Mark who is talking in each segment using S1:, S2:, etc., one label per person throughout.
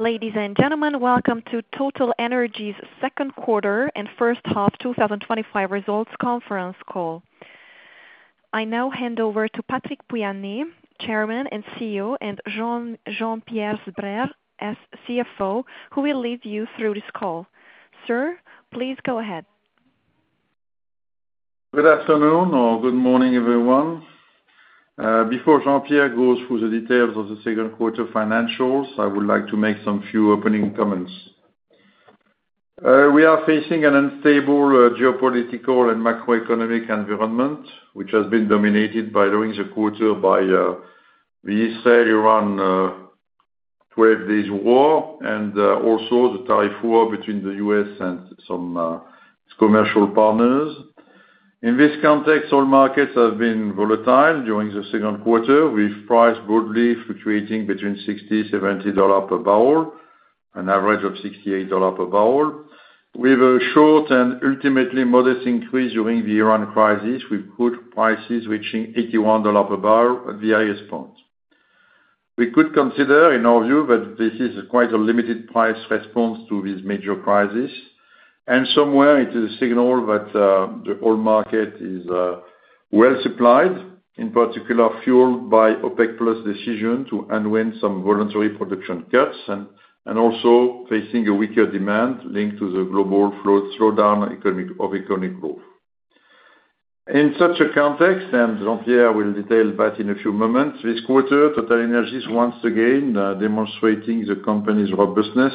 S1: Ladies and gentlemen, welcome to TotalEnergies' second quarter and first half 2025 results conference call. I now hand over to Patrick Pouyanné, Chairman and CEO, and Jean-Pierre Sbraire, CFO, who will lead you through this call. Sir, please go ahead.
S2: Good afternoon or good morning, everyone. Before Jean-Pierre goes through the details of the second quarter financials, I would like to make some few opening comments. We are facing an unstable geopolitical and macroeconomic environment, which has been dominated during the quarter by the Israel-Iran 12-day war and also the tariff war between the U.S. and some commercial partners. In this context, oil markets have been volatile during the second quarter, with prices broadly fluctuating between $60, $70 per barrel, an average of $68 per barrel. With a short and ultimately modest increase during the Iran crisis, we put prices reaching $81 per barrel at the highest point. We could consider, in our view, that this is quite a limited price response to these major crises, and somewhere it is a signal that the oil market is well supplied, in particular fueled by OPEC Plus' decision to unwind some voluntary production cuts and also facing a weaker demand linked to the global slowdown of economic growth. In such a context, and Jean-Pierre will detail that in a few moments, this quarter, TotalEnergies once again demonstrated the company's robustness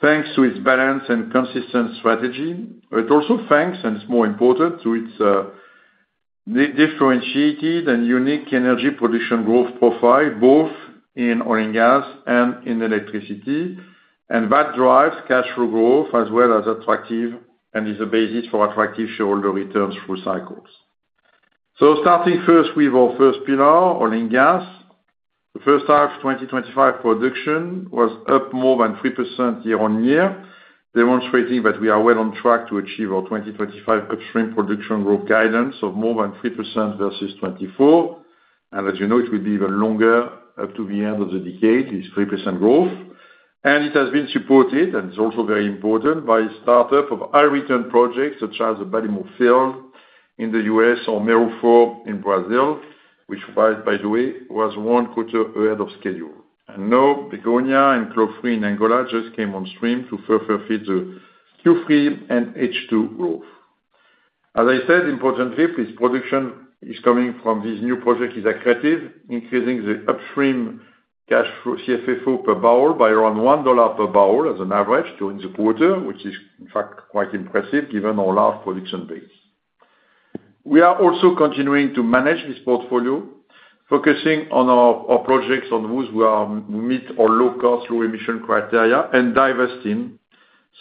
S2: thanks to its balanced and consistent strategy. It also thanks, and it's more important, to its differentiated and unique energy production growth profile, both in oil and gas and in electricity, and that drives cash flow growth as well as attractive and is a basis for attractive shareholder returns through cycles. Starting first with our first pillar, oil and gas. The first half of 2025 production was up more than 3% year on year, demonstrating that we are well on track to achieve our 2025 upstream production growth guidance of more than 3% versus 2024. As you know, it will be even longer up to the end of the decade, this 3% growth. It has been supported, and it's also very important, by startups of high-return projects such as the Ballymore Field in the U.S. or Mero 4 in Brazil, which, by the way, was one quarter ahead of schedule. Now, Begonia and CLOV 3 in Angola just came on stream to further feed the Q3 and H2 growth. As I said, importantly, this production is coming from this new project that is attractive, increasing the upstream cash flow CFFO per barrel by around $1 per barrel as an average during the quarter, which is in fact quite impressive given our large production base. We are also continuing to manage this portfolio, focusing on our projects on which we meet our low-cost, low-emission criteria, and divesting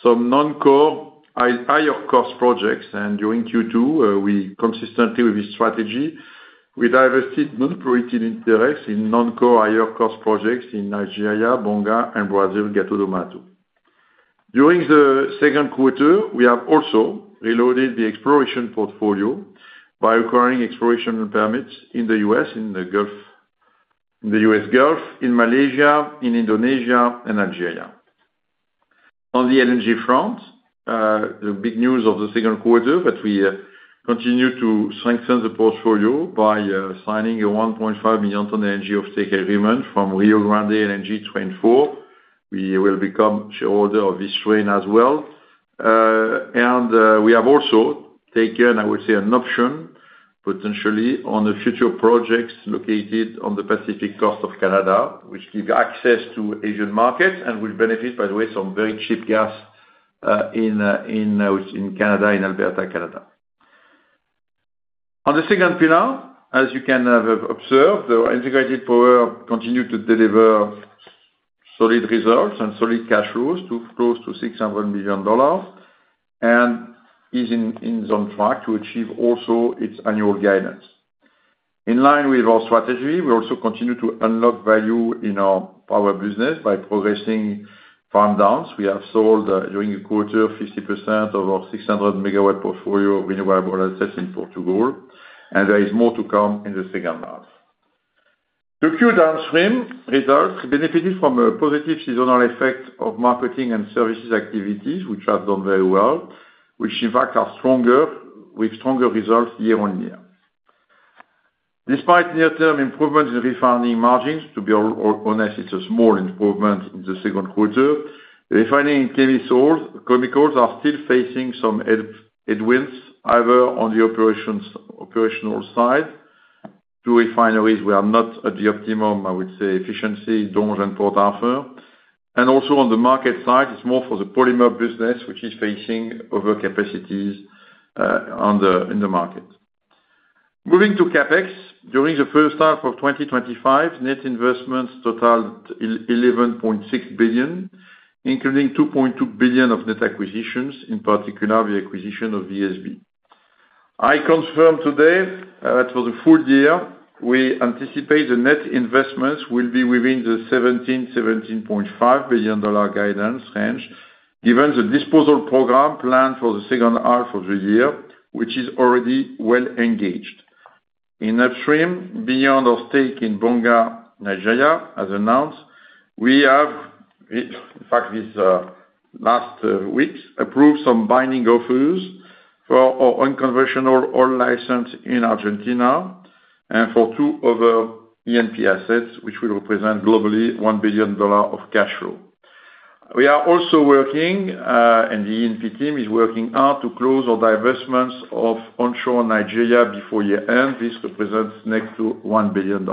S2: some non-core, higher-cost projects. During Q2, consistently with this strategy, we divested non-prorated interests in non-core, higher-cost projects in Nigeria, Bonga, and Brazil, Gato do Mato. During the second quarter, we have also reloaded the exploration portfolio by acquiring exploration permits in the U.S., in the U.S. Gulf, in Malaysia, in Indonesia, and Algeria. On the LNG front. The big news of the second quarter is that we continue to strengthen the portfolio by signing a 1.5 million-ton LNG offtake agreement from Rio Grande LNG Train 4. We will become shareholders of this train as well. We have also taken, I would say, an option potentially on the future projects located on the Pacific coast of Canada, which gives access to Asian markets and will benefit, by the way, from very cheap gas. In Canada, in Alberta, Canada. On the second pillar, as you can have observed, our integrated power continues to deliver solid results and solid cash flows to close to $600 million. It is on track to achieve also its annual guidance. In line with our strategy, we also continue to unlock value in our power business by progressing farm downs. We have sold during the quarter 50% of our 600 MW portfolio of renewable assets in Portugal, and there is more to come in the second half. The Q2 downstream results benefited from a positive seasonal effect of marketing and services activities, which have done very well, which in fact are stronger, with stronger results year on year. Despite near-term improvements in refining margins, to be honest, it is a small improvement in the second quarter. Refining chemicals are still facing some headwinds either on the operational side. Two refineries were not at the optimum, I would say, efficiency, Donges and Port Arthur. Also on the market side, it is more for the polymer business, which is facing overcapacities in the market. Moving to CapEx, during the first half of 2025, net investments totaled $11.6 billion, including $2.2 billion of net acquisitions, in particular the acquisition of VSB. I confirm today that for the full year, we anticipate the net investments will be within the $17-$17.5 billion guidance range, given the disposal program planned for the second half of the year, which is already well engaged. In upstream, beyond our stake in Bonga, Nigeria, as announced, we have in fact this last week approved some binding offers for our unconventional oil license in Argentina and for two other E&P assets, which will represent globally $1 billion of cash flow. We are also working, and the E&P team is working hard to close our divestments of onshore Nigeria before year-end. This represents next to $1 billion.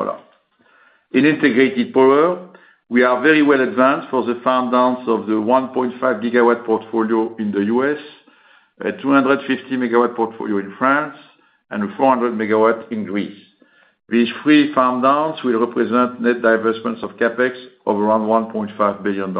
S2: In integrated power, we are very well advanced for the farm downs of the 1.5 GW portfolio in the U.S., a 250 MW portfolio in France, and a 400 MW in Greece. These three farm downs will represent net divestments of CapEx of around $1.5 billion.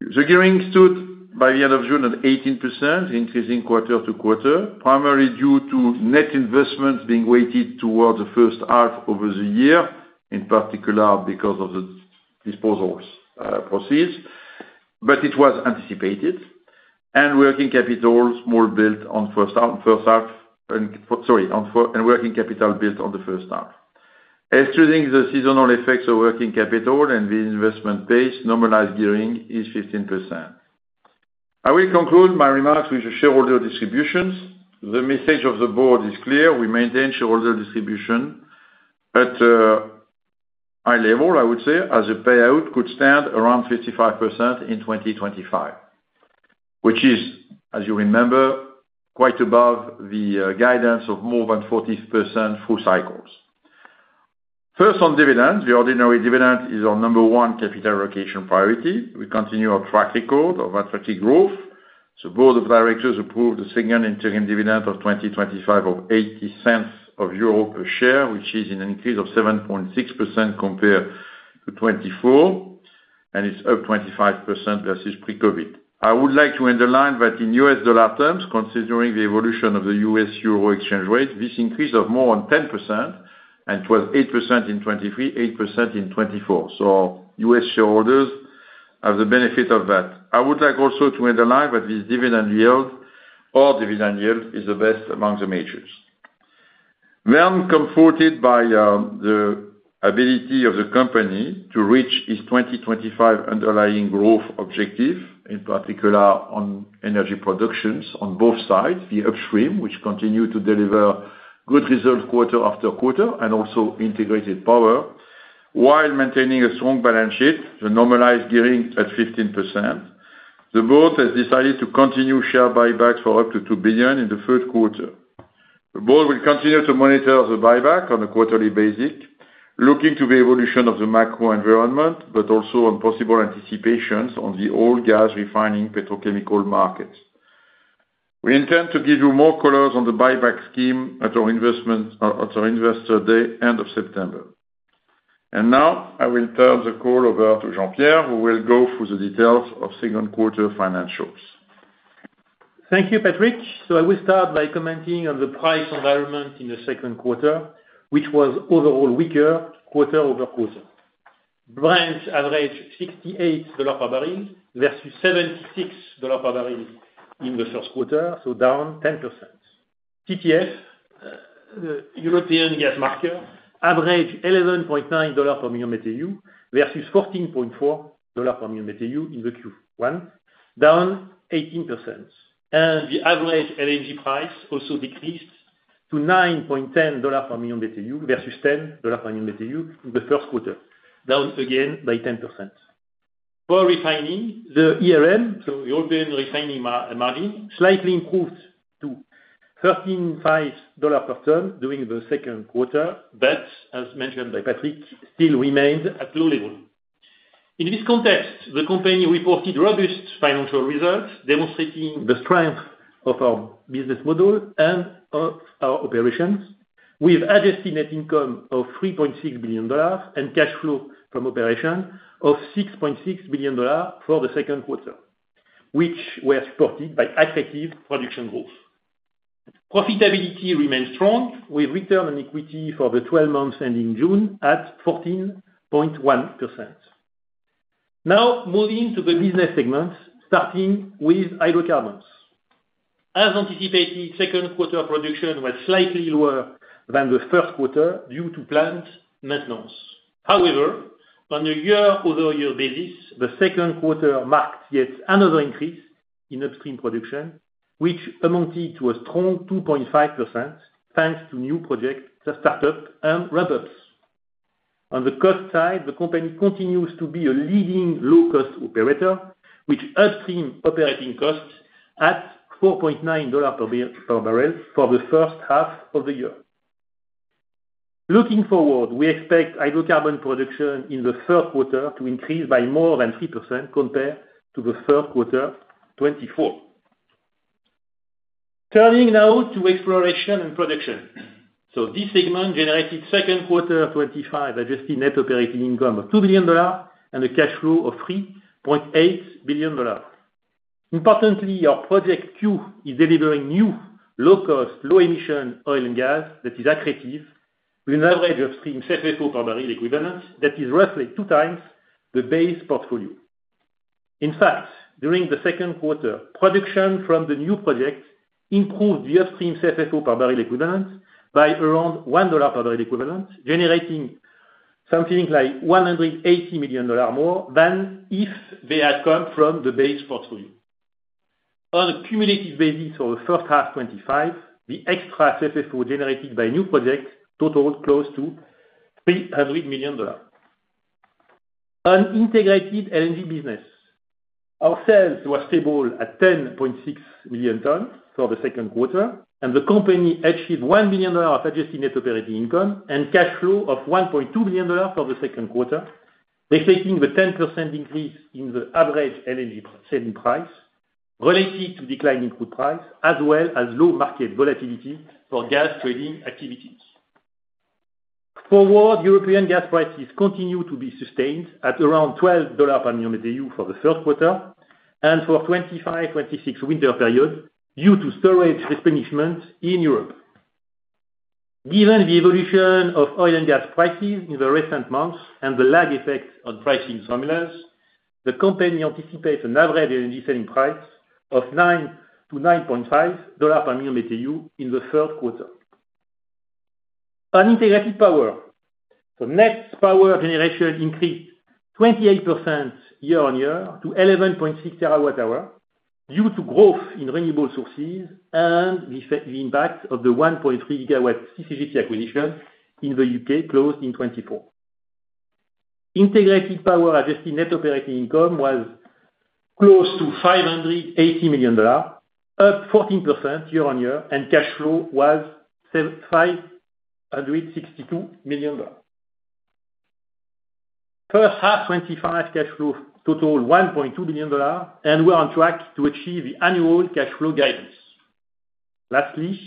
S2: The gearing stood by the end of June at 18%, increasing quarter to quarter, primarily due to net investments being weighted towards the first half over the year, in particular because of the disposal proceeds, but it was anticipated. Working capital, small build on first half and working capital built on the first half. Excluding the seasonal effects of working capital and the investment base, normalized gearing is 15%. I will conclude my remarks with the shareholder distributions. The message of the board is clear. We maintain shareholder distribution at high level. I would say, as a payout could stand around 55% in 2025, which is, as you remember, quite above the guidance of more than 40% full cycles. First, on dividends, the ordinary dividend is our number one capital allocation priority. We continue our track record of attractive growth. The board of directors approved the second interim dividend of 2025 of 0.80 per share, which is an increase of 7.6% compared to 2024, and it is up 25% versus pre-COVID. I would like to underline that in U.S. dollar terms, considering the evolution of the U.S.-euro exchange rate, this increase is more than 10%, and it was 8% in 2023, 8% in 2024. U.S. shareholders have the benefit of that. I would like also to underline that this dividend yield is the best among the majors. Comforted by the ability of the company to reach its 2025 underlying growth objective, in particular on energy productions on both sides, the upstream, which continued to deliver good results quarter after quarter, and also integrated power, while maintaining a strong balance sheet, the normalized gearing at 15%. The board has decided to continue share buybacks for up to $2 billion in the third quarter. The board will continue to monitor the buyback on a quarterly basis, looking to the evolution of the macro environment, but also on possible anticipations on the oil, gas, refining, petrochemical markets. We intend to give you more colors on the buyback scheme at our investor day end of September. Now I will turn the call over to Jean-Pierre, who will go through the details of second quarter financials.
S3: Thank you, Patrick. I will start by commenting on the price environment in the second quarter, which was overall weaker quarter over quarter. Brent averaged $68 per barrel versus $76 per barrel in the first quarter, so down 10%. TTF, the European gas marker, averaged $11.9 per million BTU versus $14.4 per million BTU in the first quarter, down 18%. The average LNG price also decreased to $9.10 per million BTU versus $10 per million BTU in the first quarter, down again by 10%. For refining, the ERM, European refining margin slightly improved to $13.5 per ton during the second quarter, but as mentioned by Patrick, still remained at a low level. In this context, the company reported robust financial results, demonstrating the strength of our business model and of our operations. We have adjusted net income of $3.6 billion and cash flow from operations of $6.6 billion for the second quarter, which were supported by attractive production growth. Profitability remained strong with return on equity for the 12 months ending June at 14.1%. Now, moving to the business segments, starting with hydrocarbons. As anticipated, second quarter production was slightly lower than the first quarter due to plant maintenance. However, on a year-over-year basis, the second quarter marked yet another increase in upstream production, which amounted to a strong 2.5% thanks to new projects, startups, and ramp-ups. On the cost side, the company continues to be a leading low-cost operator, with upstream operating costs at $4.9 per barrel for the first half of the year. Looking forward, we expect hydrocarbon production in the third quarter to increase by more than 3% compared to the third quarter 2024. Turning now to exploration and production. This segment generated second quarter 2025 adjusted net operating income of $2 billion and a cash flow of $3.8 billion. Importantly, our project queue is delivering new low-cost, low-emission oil and gas that is attractive, with an average upstream CFFO per barrel equivalent that is roughly two times the base portfolio. In fact, during the second quarter, production from the new project improved the upstream CFFO per barrel equivalent by around $1 per barrel equivalent, generating something like $180 million more than if they had come from the base portfolio. On a cumulative basis for the first half 2025, the extra CFFO generated by new projects totaled close to $300 million. On integrated LNG business, our sales were stable at 10.6 million tons for the second quarter, and the company achieved $1 million of adjusted net operating income and cash flow of $1.2 million for the second quarter, reflecting the 10% increase in the average LNG selling price related to declining crude price, as well as low market volatility for gas trading activities. Forward European gas prices continue to be sustained at around $12 per million BTU for the third quarter and for the 2025-2026 winter period due to storage replenishment in Europe. Given the evolution of oil and gas prices in the recent months and the lag effect on pricing formulas, the company anticipates an average LNG selling price of $9-$9.5 per million BTU in the third quarter. On integrated power, the net power generation increased 28% year-on-year to 11.6 TWh due to growth in renewable sources and the impact of the 1.3 GW CCGT acquisition in the U.K. closed in 2024. Integrated power adjusted net operating income was close to $580 million, up 14% year-on-year, and cash flow was $562 million. First half 2025 cash flow totaled $1.2 billion and we're on track to achieve the annual cash flow guidance. Lastly,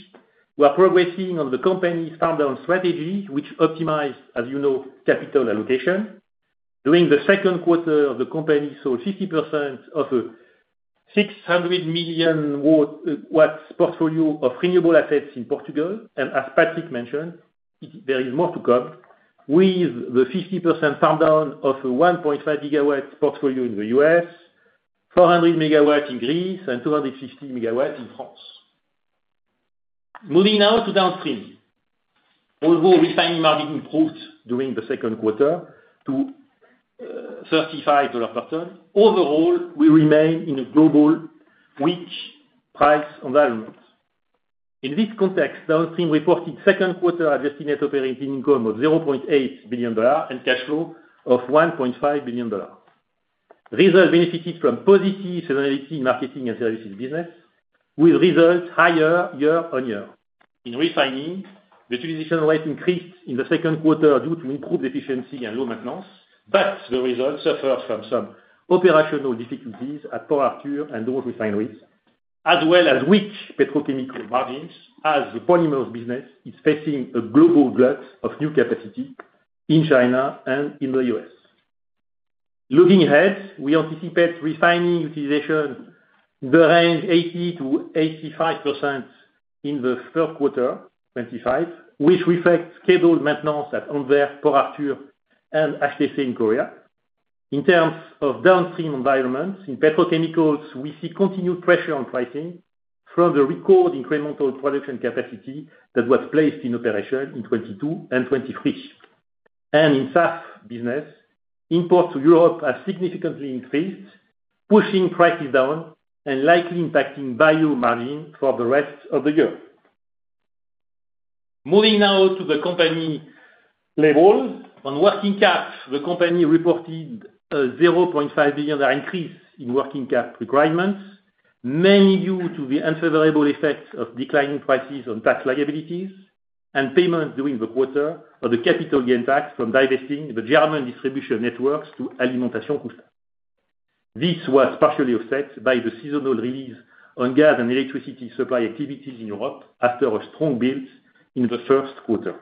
S3: we are progressing on the company's farm-down strategy, which optimized, as you know, capital allocation. During the second quarter, the company sold 50% of a 600 million watt portfolio of renewable assets in Portugal. As Patrick mentioned, there is more to come with the 50% farm-down of a 1.5 GW portfolio in the U.S., 400 MW in Greece, and 250 MW in France. Moving now to downstream. Although refining margin improved during the second quarter to $35 per ton, overall, we remain in a global weak price environment. In this context, downstream reported second quarter adjusted net operating income of $0.8 billion and cash flow of $1.5 billion. Results benefited from positive seasonality in marketing and services business, with results higher year-on-year. In refining, the utilization rate increased in the second quarter due to improved efficiency and low maintenance, but the results suffered from some operational difficulties at Port Arthur and Donges refineries, as well as weak petrochemical margins as the polymer business is facing a global glut of new capacity in China and in the U.S. Looking ahead, we anticipate refining utilization in the range of 80%-85% in the third quarter 2025, which reflects scheduled maintenance at Antwerp, Port Arthur, and HTC in Korea. In terms of downstream environments, in petrochemicals, we see continued pressure on pricing from the record incremental production capacity that was placed in operation in 2022 and 2023. In SAF business, imports to Europe have significantly increased, pushing prices down and likely impacting bio margin for the rest of the year. Moving now to the company level. On working cap, the company reported a $0.5 billion increase in working cap requirements, mainly due to the unfavorable effects of declining prices on tax liabilities and payments during the quarter for the capital gain tax from divesting the German distribution networks to Alimentation Couche-Tard. This was partially offset by the seasonal release on gas and electricity supply activities in Europe after a strong build in the first quarter.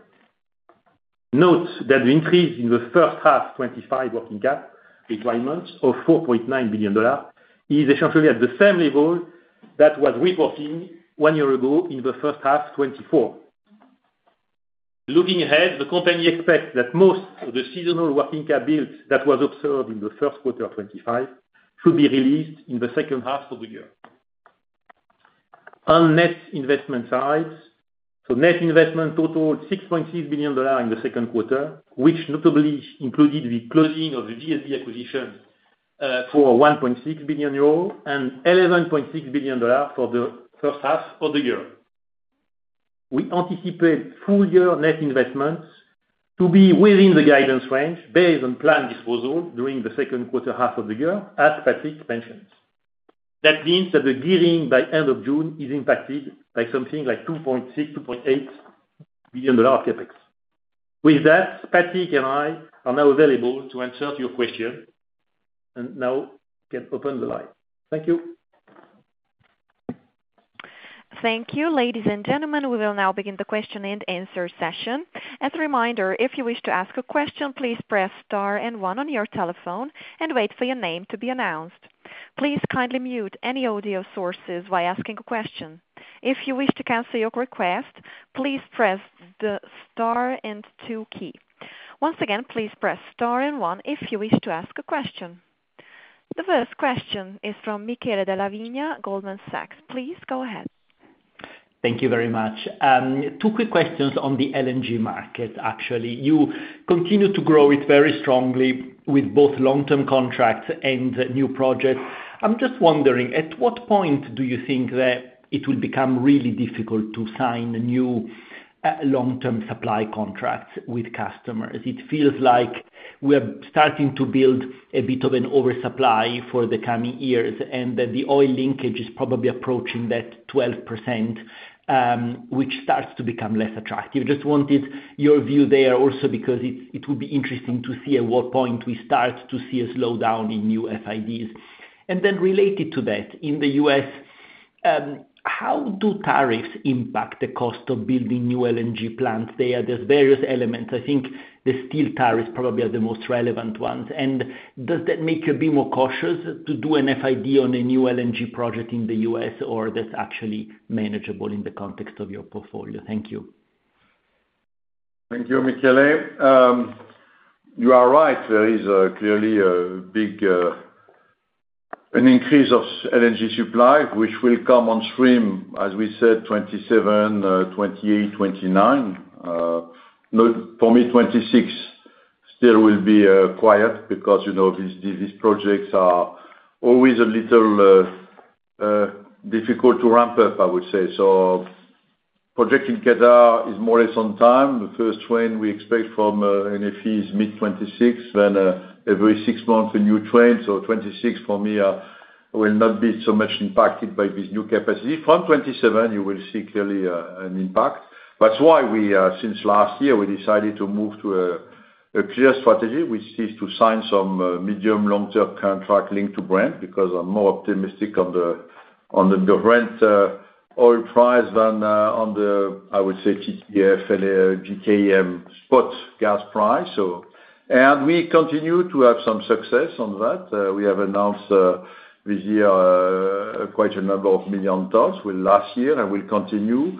S3: Note that the increase in the first half 2025 working cap requirements of $4.9 billion is essentially at the same level that was reported one year ago in the first half 2024. Looking ahead, the company expects that most of the seasonal working cap builds that were observed in the first quarter 2025 should be released in the second half of the year. On net investment side, so net investment totaled $6.6 billion in the second quarter, which notably included the closing of VSB acquisitions. For 1.6 billion euro and $11.6 billion for the first half of the year. We anticipate full-year net investments to be within the guidance range based on planned disposal during the second half of the year, as Patrick mentioned. That means that the gearing by end of June is impacted by something like $2.6-$2.8 billion of CapEx. With that, Patrick and I are now available to answer your question. Now can open the line. Thank you.
S1: Thank you. Ladies and gentlemen, we will now begin the question and answer session. As a reminder, if you wish to ask a question, please press star and one on your telephone and wait for your name to be announced. Please kindly mute any audio sources while asking a question. If you wish to cancel your request, please press the star and two key. Once again, please press star and one if you wish to ask a question. The first question is from Michele Della Vigna, Goldman Sachs. Please go ahead.
S4: Thank you very much. Two quick questions on the LNG market, actually. You continue to grow it very strongly with both long-term contracts and new projects. I'm just wondering, at what point do you think that it will become really difficult to sign new long-term supply contracts with customers? It feels like we're starting to build a bit of an oversupply for the coming years, and that the oil linkage is probably approaching that 12%, which starts to become less attractive. I just wanted your view there also because it would be interesting to see at what point we start to see a slowdown in new FIDs. Related to that, in the U.S., how do tariffs impact the cost of building new LNG plants there? There's various elements. I think the steel tariffs probably are the most relevant ones. Does that make you a bit more cautious to do an FID on a new LNG project in the U.S., or that's actually manageable in the context of your portfolio? Thank you.
S2: Thank you, Michele. You are right. There is clearly a big increase of LNG supply, which will come on stream, as we said, 2027, 2028, 2029. For me, 2026 still will be quiet because these projects are always a little difficult to ramp up, I would say. Projecting Qatar is more or less on time. The first train we expect from NFE is mid-2026. Then every six months, a new train. 2026, for me, will not be so much impacted by this new capacity. From 2027, you will see clearly an impact. That is why we, since last year, we decided to move to a clear strategy, which is to sign some medium-long-term contract linked to Brent because I am more optimistic on the Brent oil price than on the, I would say, GTF and GKM spot gas price. And we continue to have some success on that. We have announced this year quite a number of million tons last year, and we will continue.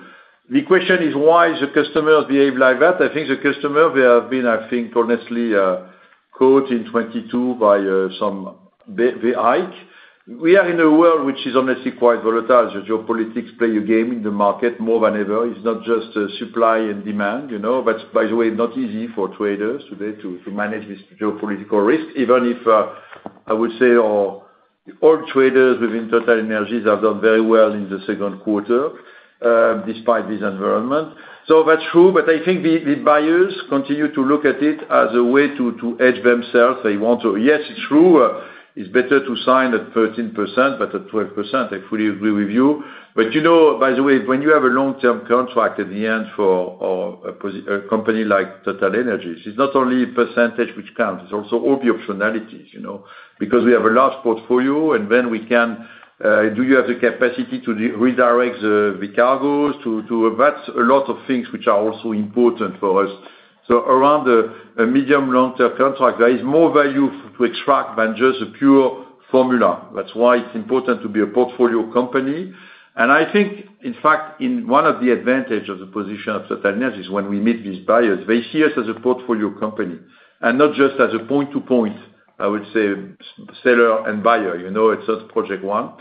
S2: The question is, why does the customer behave like that? I think the customer, they have been, I think, honestly caught in 2022 by some, the hike. We are in a world which is honestly quite volatile. The geopolitics play a game in the market more than ever. It is not just supply and demand. By the way, not easy for traders today to manage this geopolitical risk, even if I would say all traders within TotalEnergies have done very well in the second quarter despite this environment. That is true, but I think the buyers continue to look at it as a way to hedge themselves. They want to, yes, it is true, it is better to sign at 13%, but at 12%, I fully agree with you. By the way, when you have a long-term contract at the end for a company like TotalEnergies, it is not only a percentage which counts. It is also all the optionalities. Because we have a large portfolio, and then we can, do you have the capacity to redirect the cargoes? That is a lot of things which are also important for us. Around a medium-long-term contract, there is more value to extract than just a pure formula. That is why it is important to be a portfolio company. I think, in fact, one of the advantages of the position of TotalEnergies when we meet these buyers, they see us as a portfolio company and not just as a point-to-point, I would say, seller and buyer. It is not project one.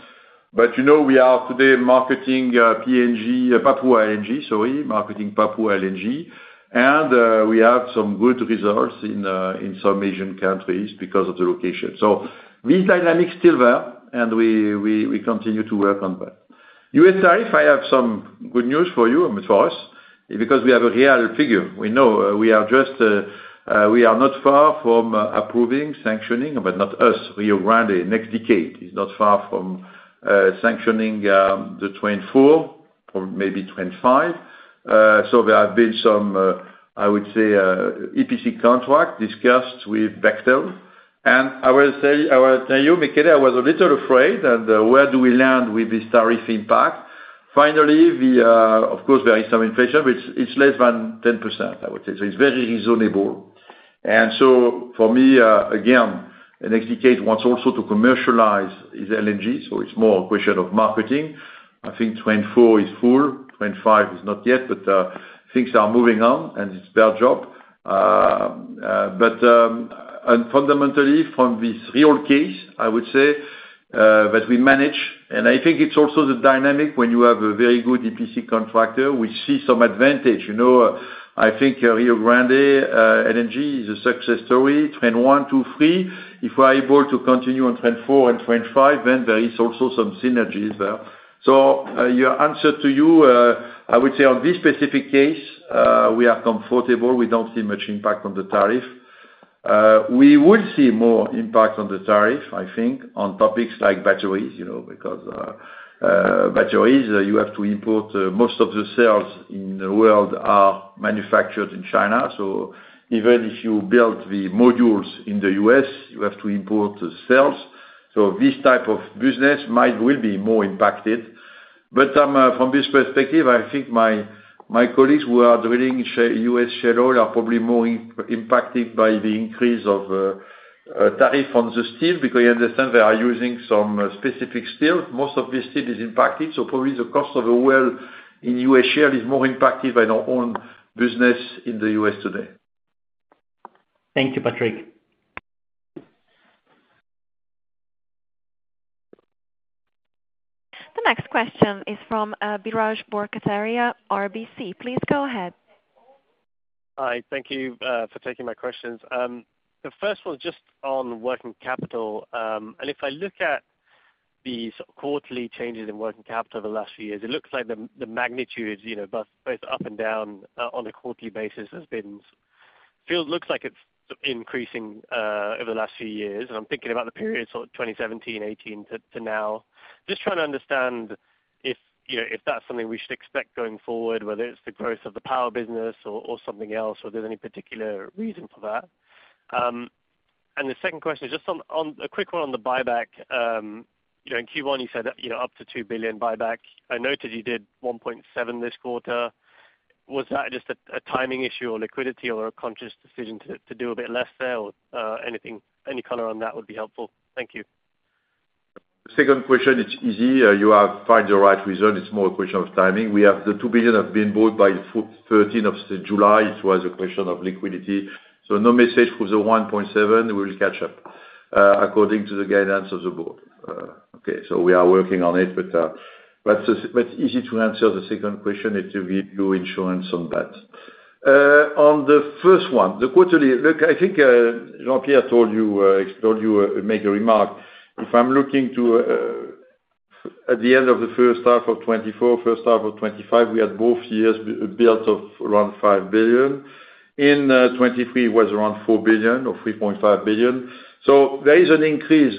S2: We are today marketing Papua LNG, sorry, marketing Papua LNG. We have some good results in some Asian countries because of the location. This dynamic is still there, and we continue to work on that. U.S. tariff, I have some good news for you and for us because we have a real figure. We know we are just, we are not far from approving sanctioning, but not us. Rio Grande next decade is not far from. Sanctioning the 2024, maybe 2025. There have been some, I would say, EPC contracts discussed with Bechtel. I will tell you, Michele, I was a little afraid, and where do we land with this tariff impact? Finally, of course, there is some inflation, but it's less than 10%, I would say. It's very reasonable. For me, again, the next decade wants also to commercialize LNG, so it's more a question of marketing. I think 2024 is full. 2025 is not yet, but things are moving on, and it's their job. Fundamentally, from this real case, I would say that we manage, and I think it's also the dynamic when you have a very good EPC contractor, we see some advantage. I think Rio Grande LNG is a success story. 2021, 2023, if we are able to continue on 2024 and 2025, then there are also some synergies there. Your answer to you, I would say, on this specific case, we are comfortable. We don't see much impact on the tariff. We will see more impact on the tariff, I think, on topics like batteries because batteries, you have to import. Most of the cells in the world are manufactured in China. Even if you build the modules in the U.S., you have to import the cells. This type of business will be more impacted. From this perspective, I think my colleagues who are drilling U.S. shale oil are probably more impacted by the increase of tariff on the steel because you understand they are using some specific steel. Most of this steel is impacted. Probably the cost of a well in U.S. shale is more impacted than our own business in the U.S. today.
S4: Thank you, Patrick.
S1: The next question is from Biraj Borkataria, RBC. Please go ahead.
S5: Hi. Thank you for taking my questions. The first one is just on working capital. If I look at these quarterly changes in working capital over the last few years, it looks like the magnitude, both up and down on a quarterly basis, has been increasing over the last few years. I am thinking about the period, sort of 2017, 2018 to now. I am just trying to understand if that is something we should expect going forward, whether it is the growth of the power business or something else, or if there is any particular reason for that. The second question is just a quick one on the buyback. In Q1, you said up to $2 billion buyback. I noted you did $1.7 billion this quarter. Was that just a timing issue or liquidity or a conscious decision to do a bit less there? Any color on that would be helpful. Thank you.
S2: The second question, it's easy. You have found the right reason. It's more a question of timing. We have the $2 billion have been bought by the 13th of July. It was a question of liquidity. So no message for the $1.7 billion. We will catch up according to the guidance of the board. Okay. We are working on it. It's easy to answer the second question. It will give you insurance on that. On the first one, the quarterly, look, I think Jean-Pierre told you. Made a remark. If I'm looking to, at the end of the first half of 2024, first half of 2025, we had both years build of around $5 billion. In 2023, it was around $4 billion or $3.5 billion. There is an increase.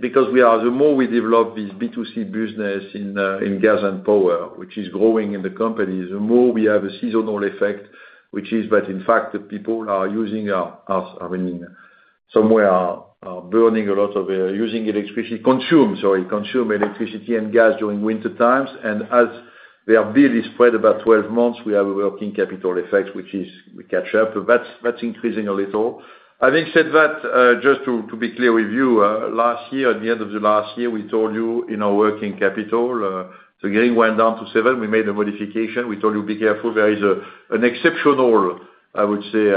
S2: Because the more we develop this B2C business in gas and power, which is growing in the companies, the more we have a seasonal effect, which is that, in fact, the people are using our, I mean, somewhere are burning a lot of using electricity, consume, sorry, consume electricity and gas during winter times. As their bill is spread about 12 months, we have a working capital effect, which is we catch up. That's increasing a little. Having said that, just to be clear with you, last year, at the end of last year, we told you in our working capital, the green went down to seven. We made a modification. We told you, be careful. There is an exceptional, I would say,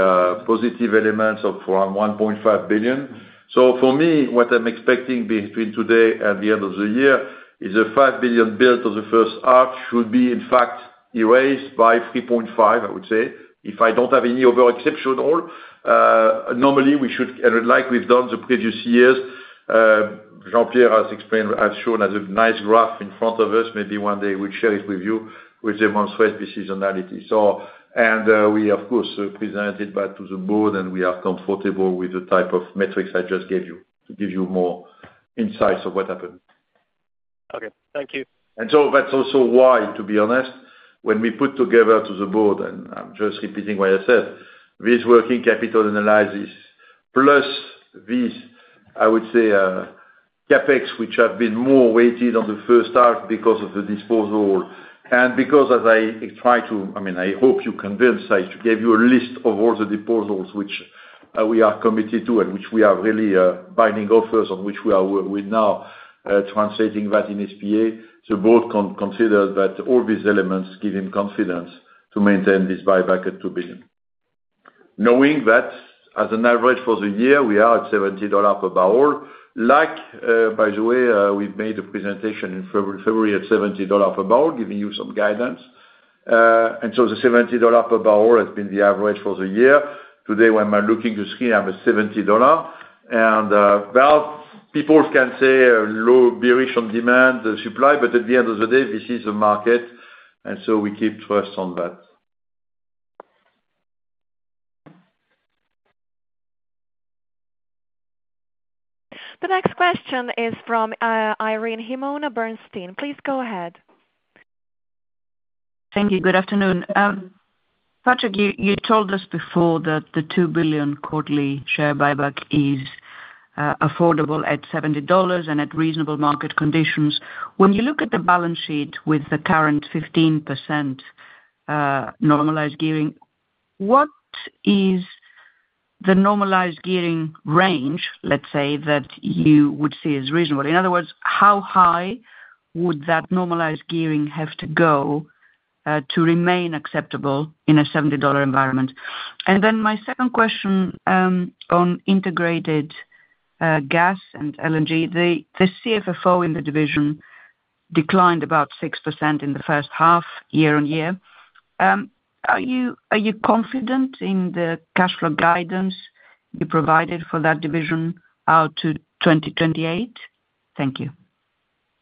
S2: positive element of around $1.5 billion. For me, what I'm expecting between today and the end of the year is a $5 billion build of the first half should be, in fact, erased by $3.5 billion, I would say, if I don't have any other exceptional. Normally, we should, like we've done the previous years. Jean-Pierre has explained, has shown us a nice graph in front of us. Maybe one day we'll share it with you, with the months' worth of seasonality. We, of course, presented that to the board, and we are comfortable with the type of metrics I just gave you to give you more insights of what happened.
S5: Okay. Thank you.
S2: That is also why, to be honest, when we put together to the board, and I am just repeating what I said, this working capital analysis plus these, I would say, CapEx, which have been more weighted on the first half because of the disposal. And because, as I try to, I mean, I hope you are convinced, I should give you a list of all the disposals which we are committed to and which we have really binding offers on, which we are now translating that in SPA, the board considered that all these elements give him confidence to maintain this buyback at $2 billion. Knowing that, as an average for the year, we are at $70 per barrel. Like, by the way, we made a presentation in February at $70 per barrel, giving you some guidance. The $70 per barrel has been the average for the year. Today, when I am looking at the screen, I have a $70. People can say low bearish on demand, the supply, but at the end of the day, this is a market. We keep trust on that.
S1: The next question is from Irene Himona Bernstein. Please go ahead.
S6: Thank you. Good afternoon. Patrick, you told us before that the $2 billion quarterly share buyback is affordable at $70 and at reasonable market conditions. When you look at the balance sheet with the current 15% normalized gearing, what is the normalized gearing range, let's say, that you would see as reasonable? In other words, how high would that normalized gearing have to go to remain acceptable in a $70 environment? My second question on integrated gas and LNG, the CFFO in the division declined about 6% in the first half, year on year. Are you confident in the cash flow guidance you provided for that division out to 2028? Thank you.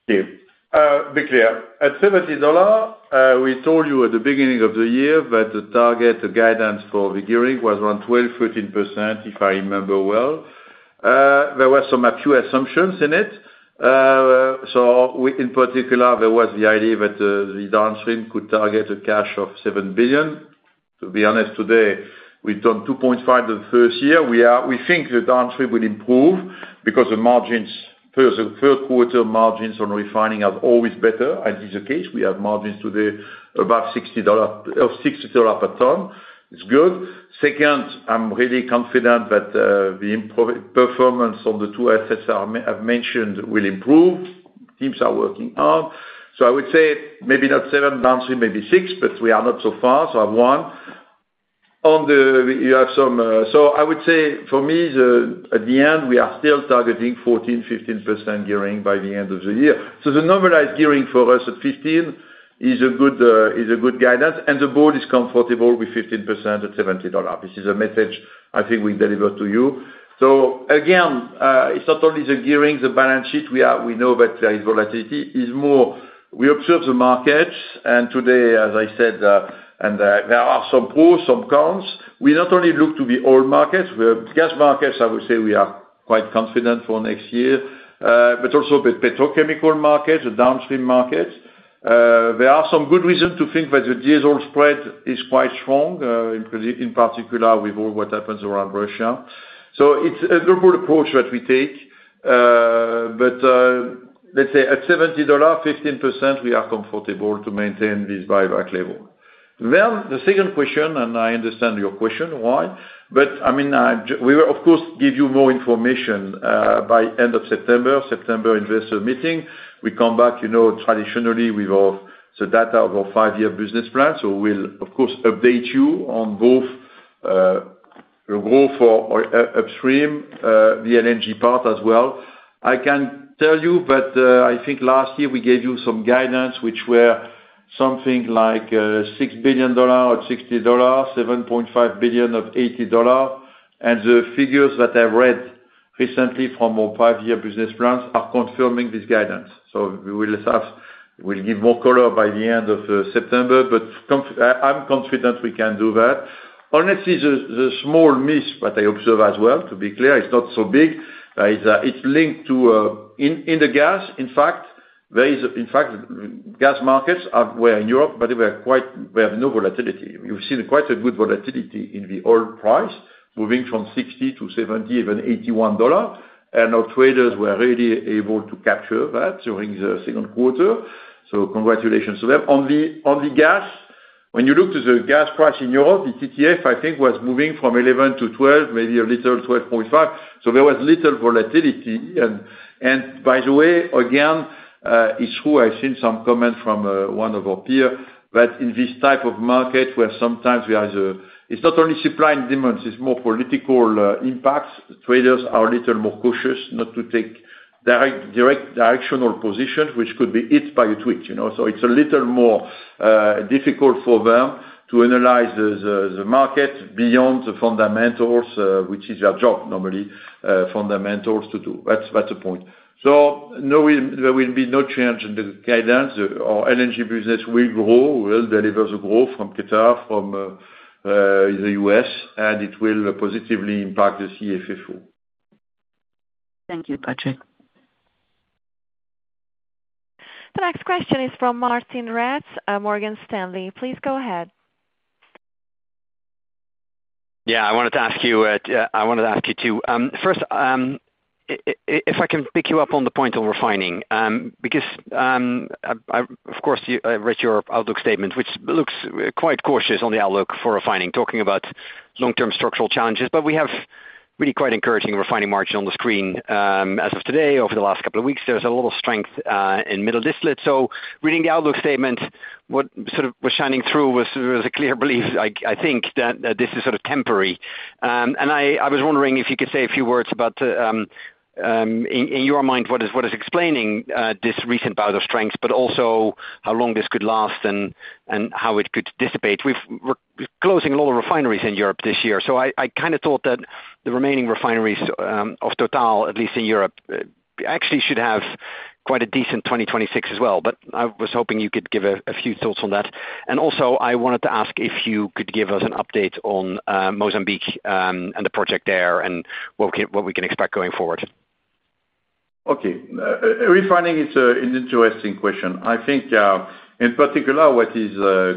S2: Thank you. To be clear, at $70, we told you at the beginning of the year that the target guidance for the gearing was around 12%-13%, if I remember well. There were some few assumptions in it. In particular, there was the idea that the downstream could target a cash of $7 billion. To be honest, today, we've done $2.5 billion the first year. We think the downstream will improve because the margins, third quarter margins on refining are always better. It is the case. We have margins today above $60 per ton. It's good. Second, I'm really confident that the performance of the two assets I've mentioned will improve. Teams are working hard. I would say maybe not $7 billion downstream, maybe $6 billion, but we are not so far. I have one. You have some. I would say, for me, at the end, we are still targeting 14%-15% gearing by the end of the year. The normalized gearing for us at 15% is a good guidance. The board is comfortable with 15% at $70. This is a message I think we deliver to you. Again, it's not only the gearing, the balance sheet we have, we know that there is volatility. It's more we observe the markets. Today, as I said, there are some pros, some cons. We not only look to the oil markets. Gas markets, I would say we are quite confident for next year, but also petrochemical markets, the downstream markets. There are some good reasons to think that the diesel spread is quite strong, in particular with all what happens around Russia. It's a global approach that we take. At $70, 15%, we are comfortable to maintain this buyback level. The second question, and I understand your question, why? I mean, we will, of course, give you more information by end of September, September investor meeting. We come back, traditionally, with the data of our five-year business plan. We'll, of course, update you on both. Growth or upstream, the LNG part as well. I can tell you that I think last year we gave you some guidance, which were something like $6 billion at $60, $7.5 billion at $80. The figures that I read recently from our five-year business plans are confirming this guidance. We'll give more color by the end of September. I'm confident we can do that. Honestly, the small miss, but I observe as well, to be clear, it's not so big. It's linked to, in the gas, in fact, gas markets where in Europe, but we have no volatility. We've seen quite a good volatility in the oil price, moving from $60 to $70, even $81. Our traders were really able to capture that during the second quarter. Congratulations to them. On the gas, when you look to the gas price in Europe, the TTF, I think, was moving from 11 to 12, maybe a little 12.5. There was little volatility. By the way, again, it's true, I've seen some comments from one of our peers that in this type of market, where sometimes there is a, it's not only supply and demand, it's more political impacts. Traders are a little more cautious not to take direct directional positions, which could be hit by a tweet. It's a little more difficult for them to analyze the market beyond the fundamentals, which is their job, normally, fundamentals to do. That's the point. There will be no change in the guidance. Our LNG business will grow, will deliver the growth from Qatar, from the U.S., and it will positively impact the CFFO.
S6: Thank you, Patrick.
S1: The next question is from Martijn Rats, Morgan Stanley. Please go ahead.
S7: Yeah, I wanted to ask you too. First, if I can pick you up on the point of refining, because of course, I read your outlook statement, which looks quite cautious on the outlook for refining, talking about long-term structural challenges. We have really quite encouraging refining margin on the screen as of today. Over the last couple of weeks, there's a lot of strength in middle distillate. Reading the outlook statement, what was shining through was a clear belief, I think, that this is sort of temporary. I was wondering if you could say a few words about, in your mind, what is explaining this recent bout of strength, but also how long this could last and how it could dissipate. We're closing a lot of refineries in Europe this year. I kind of thought that the remaining refineries of TotalEnergies, at least in Europe, actually should have quite a decent 2026 as well. I was hoping you could give a few thoughts on that. Also, I wanted to ask if you could give us an update on Mozambique and the project there and what we can expect going forward.
S2: Okay. Refining is an interesting question, I think. In particular, what has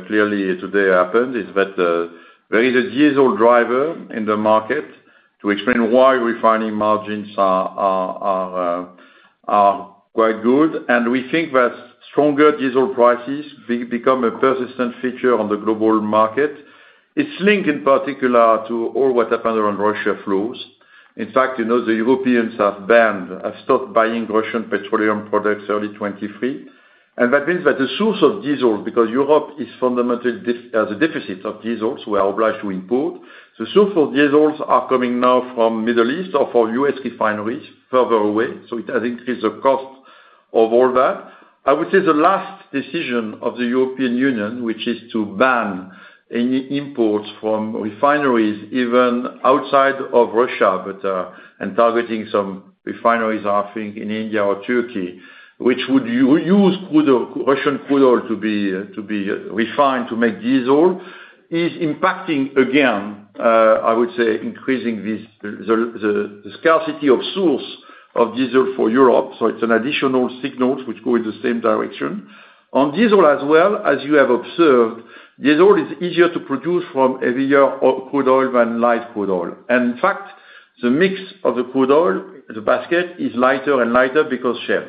S2: clearly happened today is that there is a diesel driver in the market to explain why refining margins are quite good. We think that stronger diesel prices have become a persistent feature on the global market. It is linked in particular to all that has happened around Russia flows. In fact, the Europeans have banned, have stopped buying Russian petroleum products early 2023. That means that the source of diesel, because Europe is fundamentally at a deficit of diesel, so we are obliged to import, the sources of diesel are coming now from the Middle East or from U.S. refineries further away. It has increased the cost of all that. I would say the last decision of the European Union, which is to ban imports from refineries even outside of Russia, and targeting some refineries, I think, in India or Turkey, which would use Russian crude oil to be refined to make diesel, is impacting, again, I would say, increasing the scarcity of sources of diesel for Europe. It is an additional signal which goes in the same direction. On diesel as well, as you have observed, diesel is easier to produce from heavier crude oil than light crude oil. In fact, the mix of the crude oil, the basket, is lighter and lighter because of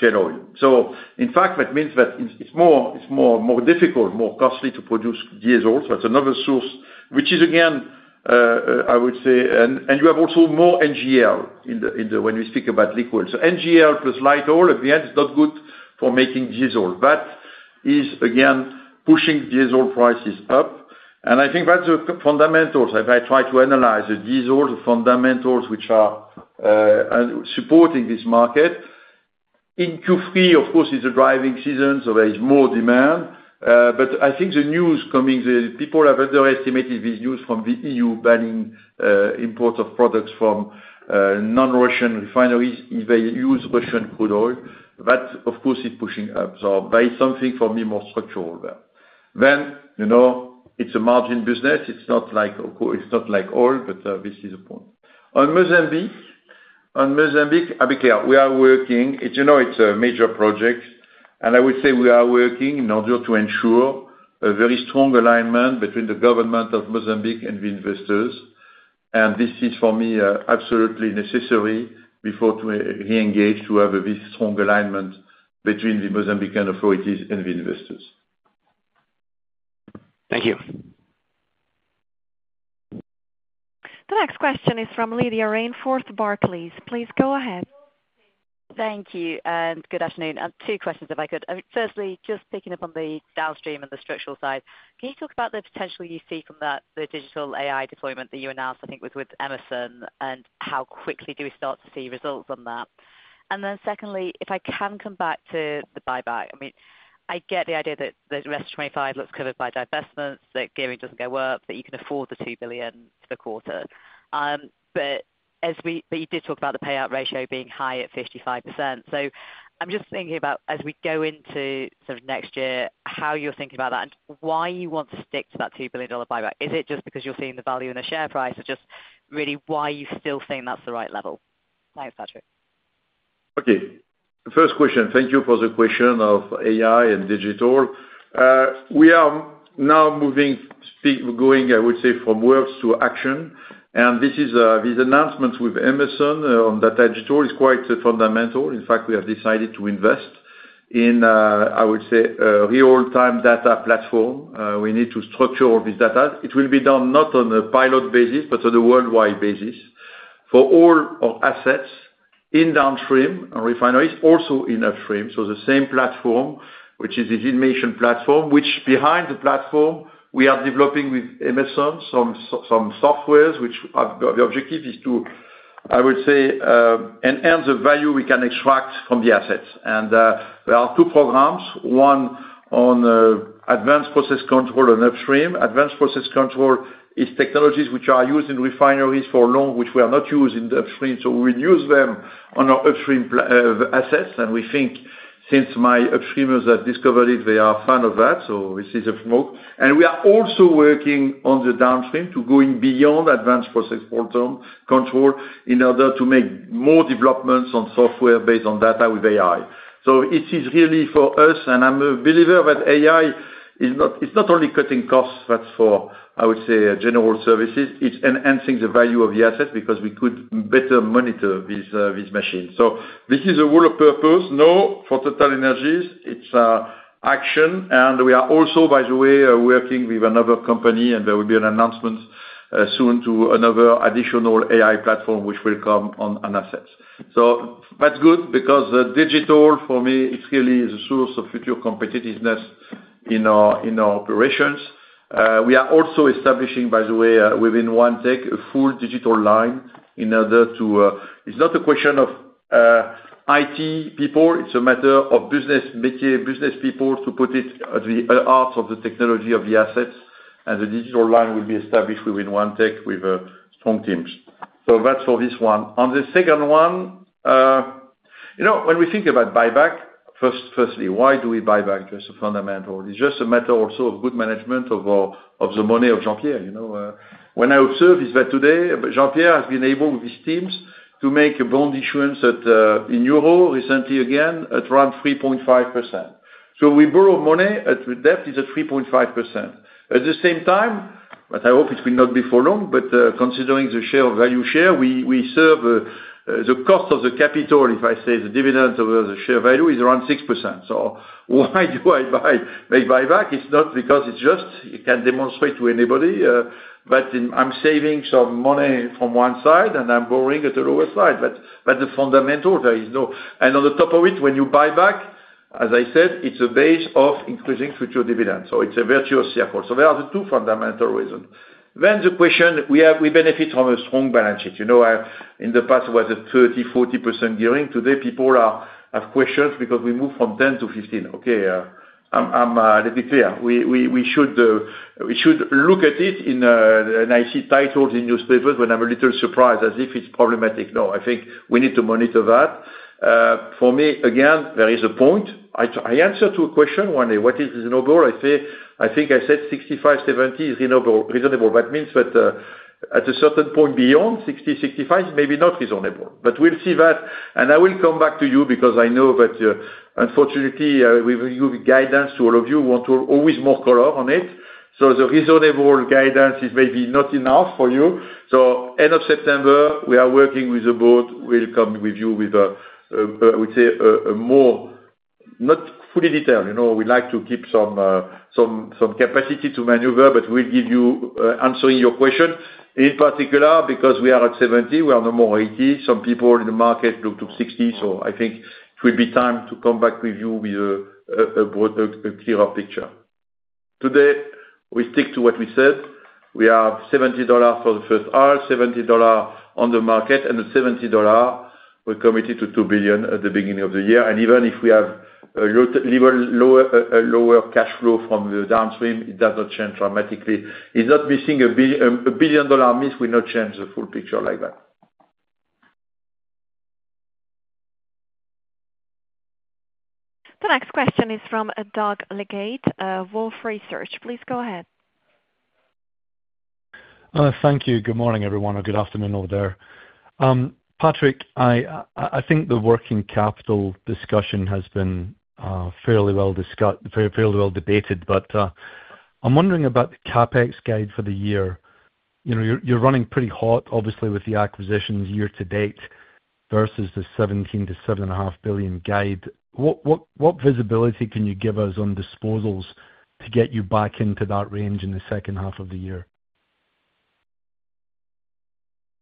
S2: shale oil. That means that it is more difficult, more costly to produce diesel. It is another source, which is, again, I would say, and you have also more NGL when we speak about liquid. NGL plus light oil, at the end, is not good for making diesel. That is, again, pushing diesel prices up. I think that is the fundamentals. If I try to analyze the diesel fundamentals, which are supporting this market. In Q3, of course, is the driving season, so there is more demand. I think the news coming, people have underestimated this news from the EU banning imports of products from non-Russian refineries if they use Russian crude oil. That, of course, is pushing up. There is something for me more structural there. It is a margin business. It is not like oil, but this is the point. On Mozambique. On Mozambique, I'll be clear, we are working. It is a major project. I would say we are working in order to ensure a very strong alignment between the government of Mozambique and the investors. This is, for me, absolutely necessary before we engage to have a very strong alignment between the Mozambican authorities and the investors.
S7: Thank you.
S1: The next question is from Lydia Rainforth, Barclays. Please go ahead.
S8: Thank you. And good afternoon. Two questions, if I could. Firstly, just picking up on the downstream and the structural side, can you talk about the potential you see from the digital AI deployment that you announced, I think it was with Emerson, and how quickly do we start to see results on that? And then secondly, if I can come back to the buyback, I mean, I get the idea that the rest of 2025 looks covered by divestments, that gearing does not get worked, that you can afford the $2 billion for the quarter. But you did talk about the payout ratio being high at 55%. So I am just thinking about, as we go into sort of next year, how you are thinking about that and why you want to stick to that $2 billion buyback. Is it just because you are seeing the value in the share price, or just really why you still think that is the right level? Thanks, Patrick.
S2: Okay. The first question, thank you for the question of AI and digital. We are now moving. Going, I would say, from words to action. This announcement with Emerson on data digital is quite fundamental. In fact, we have decided to invest in, I would say, a real-time data platform. We need to structure all this data. It will be done not on a pilot basis, but on a worldwide basis for all our assets in downstream and refineries, also in upstream. The same platform, which is the innovation platform, which behind the platform, we are developing with Emerson some software, which the objective is to, I would say, enhance the value we can extract from the assets. There are two programs. One on advanced process control and upstream. Advanced process control is technologies which are used in refineries for long, which we are not using in the upstream. We will use them on our upstream assets. We think since my upstreamers have discovered it, they are fans of that. This is a smoke. We are also working on the downstream to going beyond advanced process control in order to make more developments on software based on data with AI. It is really for us, and I'm a believer that AI is not only cutting costs for, I would say, general services, it is enhancing the value of the assets because we could better monitor these machines. This is a rule of purpose. No, for TotalEnergies, it is an action. We are also, by the way, working with another company, and there will be an announcement soon to another additional AI platform, which will come on assets. That is good because digital, for me, it really is a source of future competitiveness in our operations. We are also establishing, by the way, within OneTech, a full digital line in order to—it's not a question of IT people. It is a matter of business people to put it at the heart of the technology of the assets. The digital line will be established within OneTech with strong teams. That is for this one. On the second one. When we think about buyback, firstly, why do we buy back? Just a fundamental. It is just a matter also of good management of the money of Jean-Pierre. What I observe is that today, Jean-Pierre has been able with his teams to make a bond issuance in euro recently, again, at around 3.5%. We borrow money at the depth is at 3.5%. At the same time, but I hope it will not be for long, but considering the share of value share, we serve the cost of the capital, if I say the dividend over the share value is around 6%. Why do I buy buyback? It is not because it is just—I cannot demonstrate to anybody. I am saving some money from one side, and I am borrowing at the lower side. But the fundamental, there is no—and on the top of it, when you buy back, as I said, it's a base of increasing future dividends. It's a virtuous circle. There are the two fundamental reasons. The question, we benefit from a strong balance sheet. In the past, it was a 30%-40% gearing. Today, people have questions because we moved from 10%-15%. Okay. I'm a little bit clear. We should look at it, and I see titles in newspapers when I'm a little surprised, as if it's problematic. No, I think we need to monitor that. For me, again, there is a point. I answer to a question, one day, what is reasonable? I think I said 65%-70% is reasonable. That means that at a certain point beyond 60%-65%, maybe not reasonable. We'll see that. I will come back to you because I know that, unfortunately, we will give guidance to all of you who want always more color on it. The reasonable guidance is maybe not enough for you. End of September, we are working with the board. We'll come with you with, I would say, a more—not fully detailed—we like to keep some capacity to maneuver, but we'll give you, answering your question in particular, because we are at 70%. We are no more 80%. Some people in the market look to 60%. I think it will be time to come back with you with a clearer picture. Today, we stick to what we said. We have $70 for the first hull, $70 on the market, and the $70. We're committed to $2 billion at the beginning of the year. Even if we have a little lower cash flow from the downstream, it does not change dramatically. It's not missing a billion-dollar miss; we'll not change the full picture like that.
S1: The next question is from Doug Leggate, Wolfe Research. Please go ahead.
S9: Thank you. Good morning, everyone, or good afternoon over there. Patrick, I think the working capital discussion has been fairly well debated, but I'm wondering about the CapEx guide for the year. You're running pretty hot, obviously, with the acquisitions year to date versus the $17 billion-$17.5 billion guide. What visibility can you give us on disposals to get you back into that range in the second half of the year?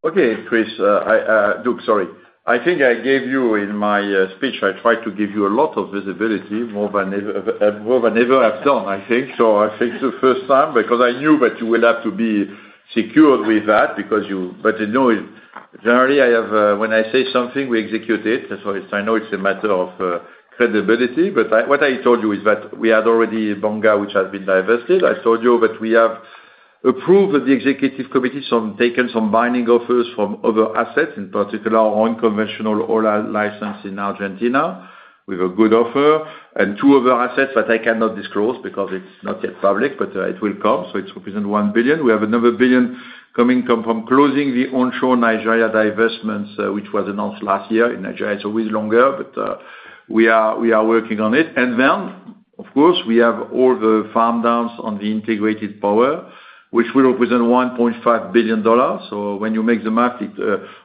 S2: Okay, Chris. Doug, sorry. I think I gave you in my speech, I tried to give you a lot of visibility, more than I ever have done, I think. I think the first time, because I knew that you will have to be secured with that, because you—but generally, when I say something, we execute it. I know it's a matter of credibility. What I told you is that we had already Bonga, which has been divested. I told you that we have approved with the executive committee some binding offers from other assets, in particular, our own conventional oil license in Argentina with a good offer, and two other assets that I cannot disclose because it's not yet public, but it will come. It represents $1 billion. We have another $1 billion coming from closing the onshore Nigeria divestments, which was announced last year. In Nigeria, it's always longer, but we are working on it. Of course, we have all the farm downs on the integrated power, which will represent $1.5 billion. When you make the math, it's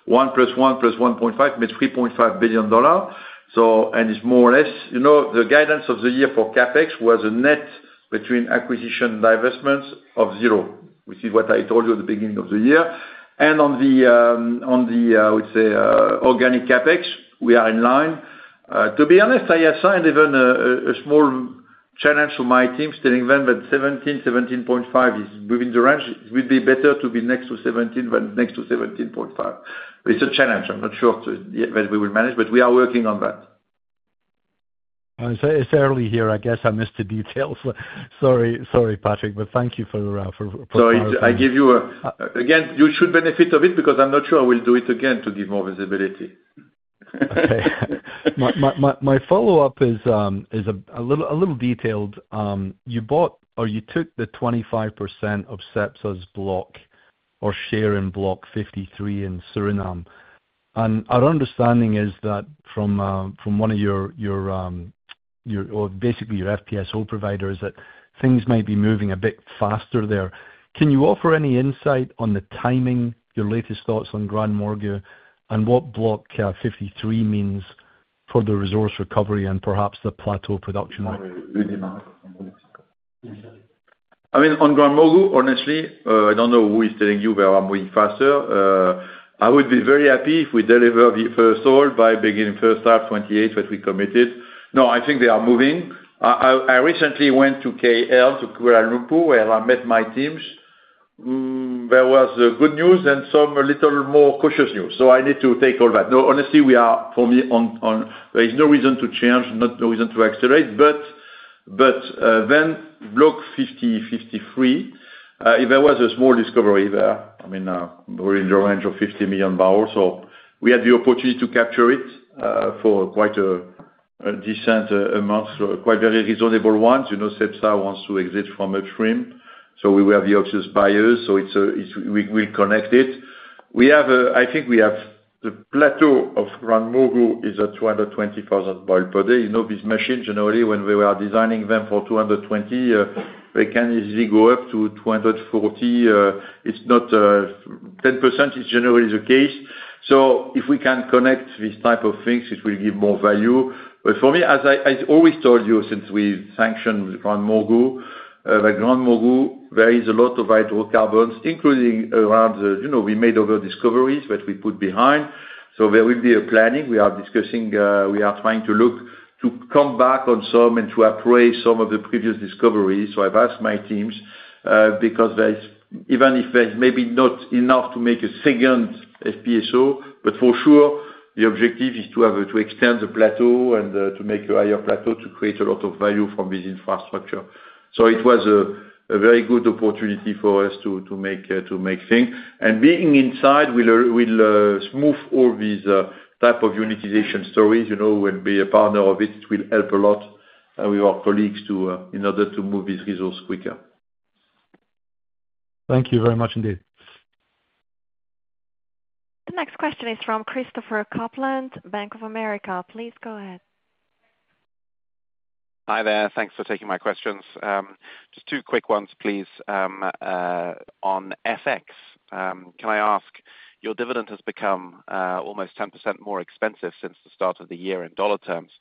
S2: 1 + 1 + 1.5 makes $3.5 billion. It's more or less the guidance of the year for CapEx was a net between acquisition and divestments of zero, which is what I told you at the beginning of the year. On the, I would say, organic CapEx, we are in line. To be honest, I assigned even a small challenge to my team, telling them that $17 billion-$17.5 billion is within the range. It would be better to be next to 17 than next to 17.5. It's a challenge. I'm not sure that we will manage, but we are working on that.
S9: It's early here. I guess I missed the details. Sorry, Patrick, but thank you for that.
S2: I give you a--again, you should benefit of it because I'm not sure I will do it again to give more visibility.
S9: Okay. My follow-up is a little detailed. You bought or you took the 25% of CEPSA's block or share in Block 53 in Suriname. And our understanding is that from one of your, basically your FPSO providers, that things might be moving a bit faster there. Can you offer any insight on the timing, your latest thoughts on GranMorgu, and what Block 53 means for the resource recovery and perhaps the plateau production?
S2: I mean, on GranMorgu, honestly, I do not know who is telling you we are moving faster. I would be very happy if we deliver the first hull by beginning first half 2028, what we committed. No, I think they are moving. I recently went to KL, to Kuala Lumpur, where I met my teams. There was good news and some a little more cautious news. I need to take all that. No, honestly, for me, there is no reason to change, no reason to accelerate. Block 53, there was a small discovery there. I mean, we are in the range of 50 million barrel. We had the opportunity to capture it for quite a decent amount, quite very reasonable ones. CEPSA wants to exit from upstream, so we have the options buyers. We will connect it. I think we have the plateau of GranMorgu is at 220,000 barrel per day. These machines, generally, when we were designing them for 220,000, they can easily go up to 240,000. It is not, 10% is generally the case. If we can connect these type of things, it will give more value. For me, as I always told you, since we sanctioned GranMorgu, GranMorgu varies a lot of hydrocarbons, including around the we made over discoveries that we put behind. There will be a planning. We are discussing. We are trying to look to come back on some and to appraise some of the previous discoveries. I have asked my teams because even if there is maybe not enough to make a second FPSO, for sure, the objective is to extend the plateau and to make a higher plateau to create a lot of value from this infrastructure. It was a very good opportunity for us to make things. Being inside will smooth all these type of unitization stories. We will be a partner of it. It will help a lot with our colleagues in order to move these resources quicker.
S9: Thank you very much indeed.
S1: The next question is from Christopher Kuplent, Bank of America. Please go ahead.
S10: Hi there. Thanks for taking my questions. Just two quick ones, please. On FX, can I ask? Your dividend has become almost 10% more expensive since the start of the year in dollar terms.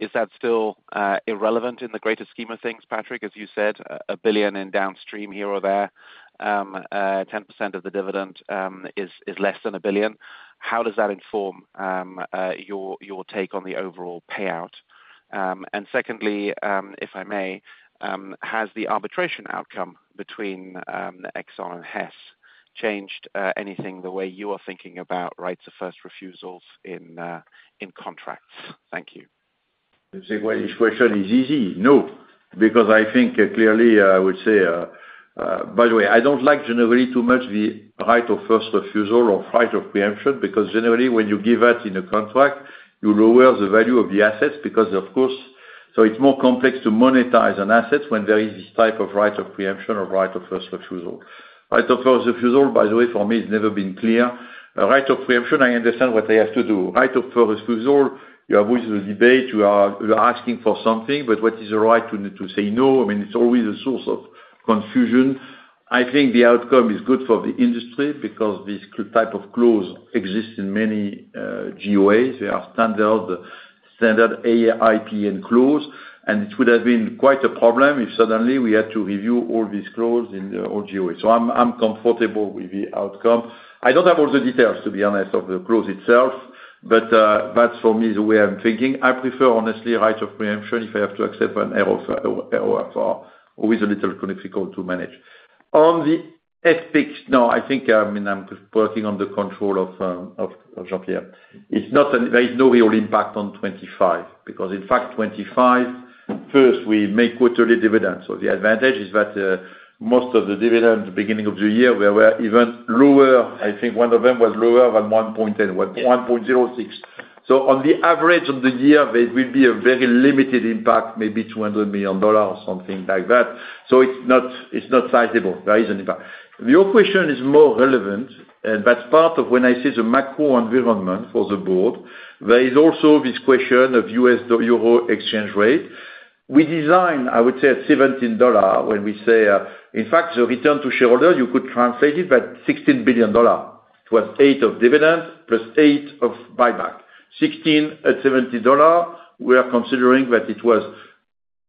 S10: Is that still irrelevant in the greater scheme of things, Patrick? As you said, a billion in downstream here or there. 10% of the dividend is less than a billion. How does that inform your take on the overall payout? Secondly, if I may, has the arbitration outcome between Exxon and Hess changed anything in the way you are thinking about rights of first refusals in contracts? Thank you.
S2: You say, "Each question is easy." No, because I think clearly, I would say. By the way, I do not like generally too much the right of first refusal or right of preemption because generally, when you give that in a contract, you lower the value of the assets because, of course, it is more complex to monetize an asset when there is this type of right of preemption or right of first refusal. Right of first refusal, by the way, for me, has never been clear. Right of preemption, I understand what they have to do. Right of first refusal, you are always in the debate. You are asking for something, but what is the right to say no? I mean, it is always a source of confusion. I think the outcome is good for the industry because this type of clause exists in many JOAs. They are standard. AIPN clause. It would have been quite a problem if suddenly we had to review all these clauses in allJOAs. I am comfortable with the outcome. I do not have all the details, to be honest, of the clause itself, but that is for me the way I am thinking. I prefer, honestly, right of preemption if I have to accept an error. Always a little difficult to manage. On the FPX, no, I think, I mean, I am working on the control of. Jean-Pierre. There is no real impact on 2025 because, in fact, 2025. First, we make quarterly dividends. The advantage is that most of the dividends at the beginning of the year were even lower. I think one of them was lower than 1.06. On the average of the year, there will be a very limited impact, maybe $200 million or something like that. It is not sizable. There is an impact. Your question is more relevant, and that is part of when I say the macro environment for the board. There is also this question of USD/EUR exchange rate. We design, I would say, at $17 when we say, in fact, the return to shareholder, you could translate it, but $16 billion. It was eight of dividends plus eight of buyback. $16 at $17, we are considering that it was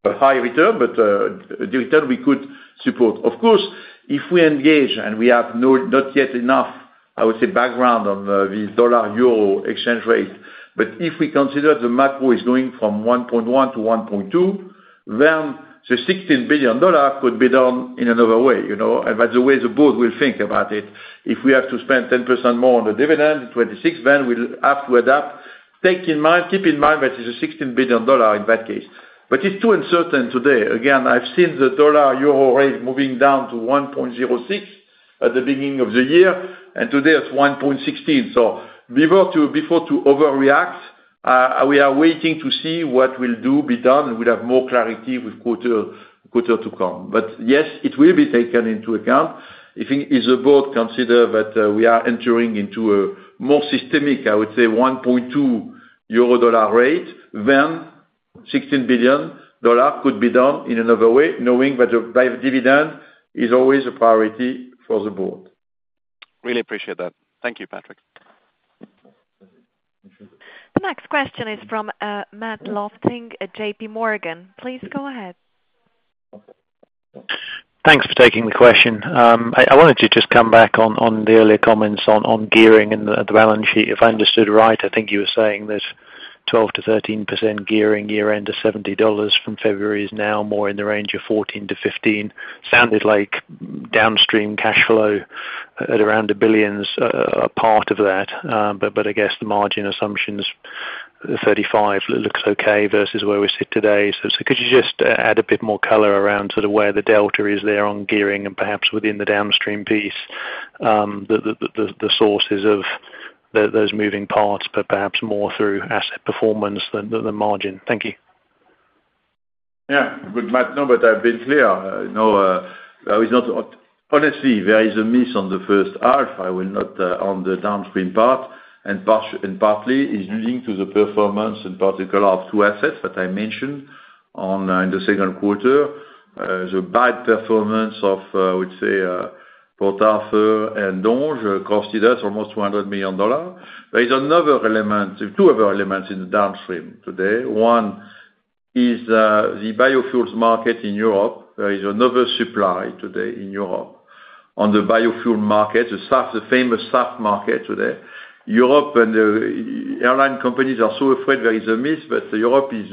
S2: a high return, but the return we could support. Of course, if we engage and we have not yet enough, I would say, background on the dollar/euro exchange rate, but if we consider the macro is going from 1.1 to 1.2, then the $16 billion could be done in another way. By the way, the board will think about it. If we have to spend 10% more on the dividend in 2026, then we will have to adapt. Keep in mind that it is a $16 billion in that case. It is too uncertain today. Again, I have seen the dollar/euro rate moving down to 1.06 at the beginning of the year, and today it is 1.16. Before we overreact, we are waiting to see what will be done, and we'll have more clarity with quarter to come. Yes, it will be taken into account. If the board considers that we are entering into a more systemic, I would say, 1.2 euro/dollar rate, then $16 billion could be done in another way, knowing that the dividend is always a priority for the board.
S10: Really appreciate that. Thank you, Patrick.
S1: The next question is from Matt Lofting, JP Morgan. Please go ahead.
S11: Thanks for taking the question. I wanted to just come back on the earlier comments on gearing and the balance sheet. If I understood right, I think you were saying that 12%-13% gearing year-end at $70 from February is now more in the range of 14%-15%. Sounded like downstream cash flow at around $1 billion is a part of that. I guess the margin assumptions, 35% looks okay versus where we sit today. Could you just add a bit more color around sort of where the delta is there on gearing and perhaps within the downstream piece, the sources of those moving parts, but perhaps more through asset performance than the margin? Thank you.
S2: Yeah. Good match, no, but I've been clear. Honestly, there is a miss on the first half, on the downstream part, and partly it's leading to the performance in particular of two assets that I mentioned in the second quarter. The bad performance of, I would say, Portafer and Donges costed us almost $200 million. There are two other elements in the downstream today. One is the biofuels market in Europe. There is another supply today in Europe. On the biofuel market, the famous SAF market today, Europe and the airline companies are so afraid there is a miss, but Europe is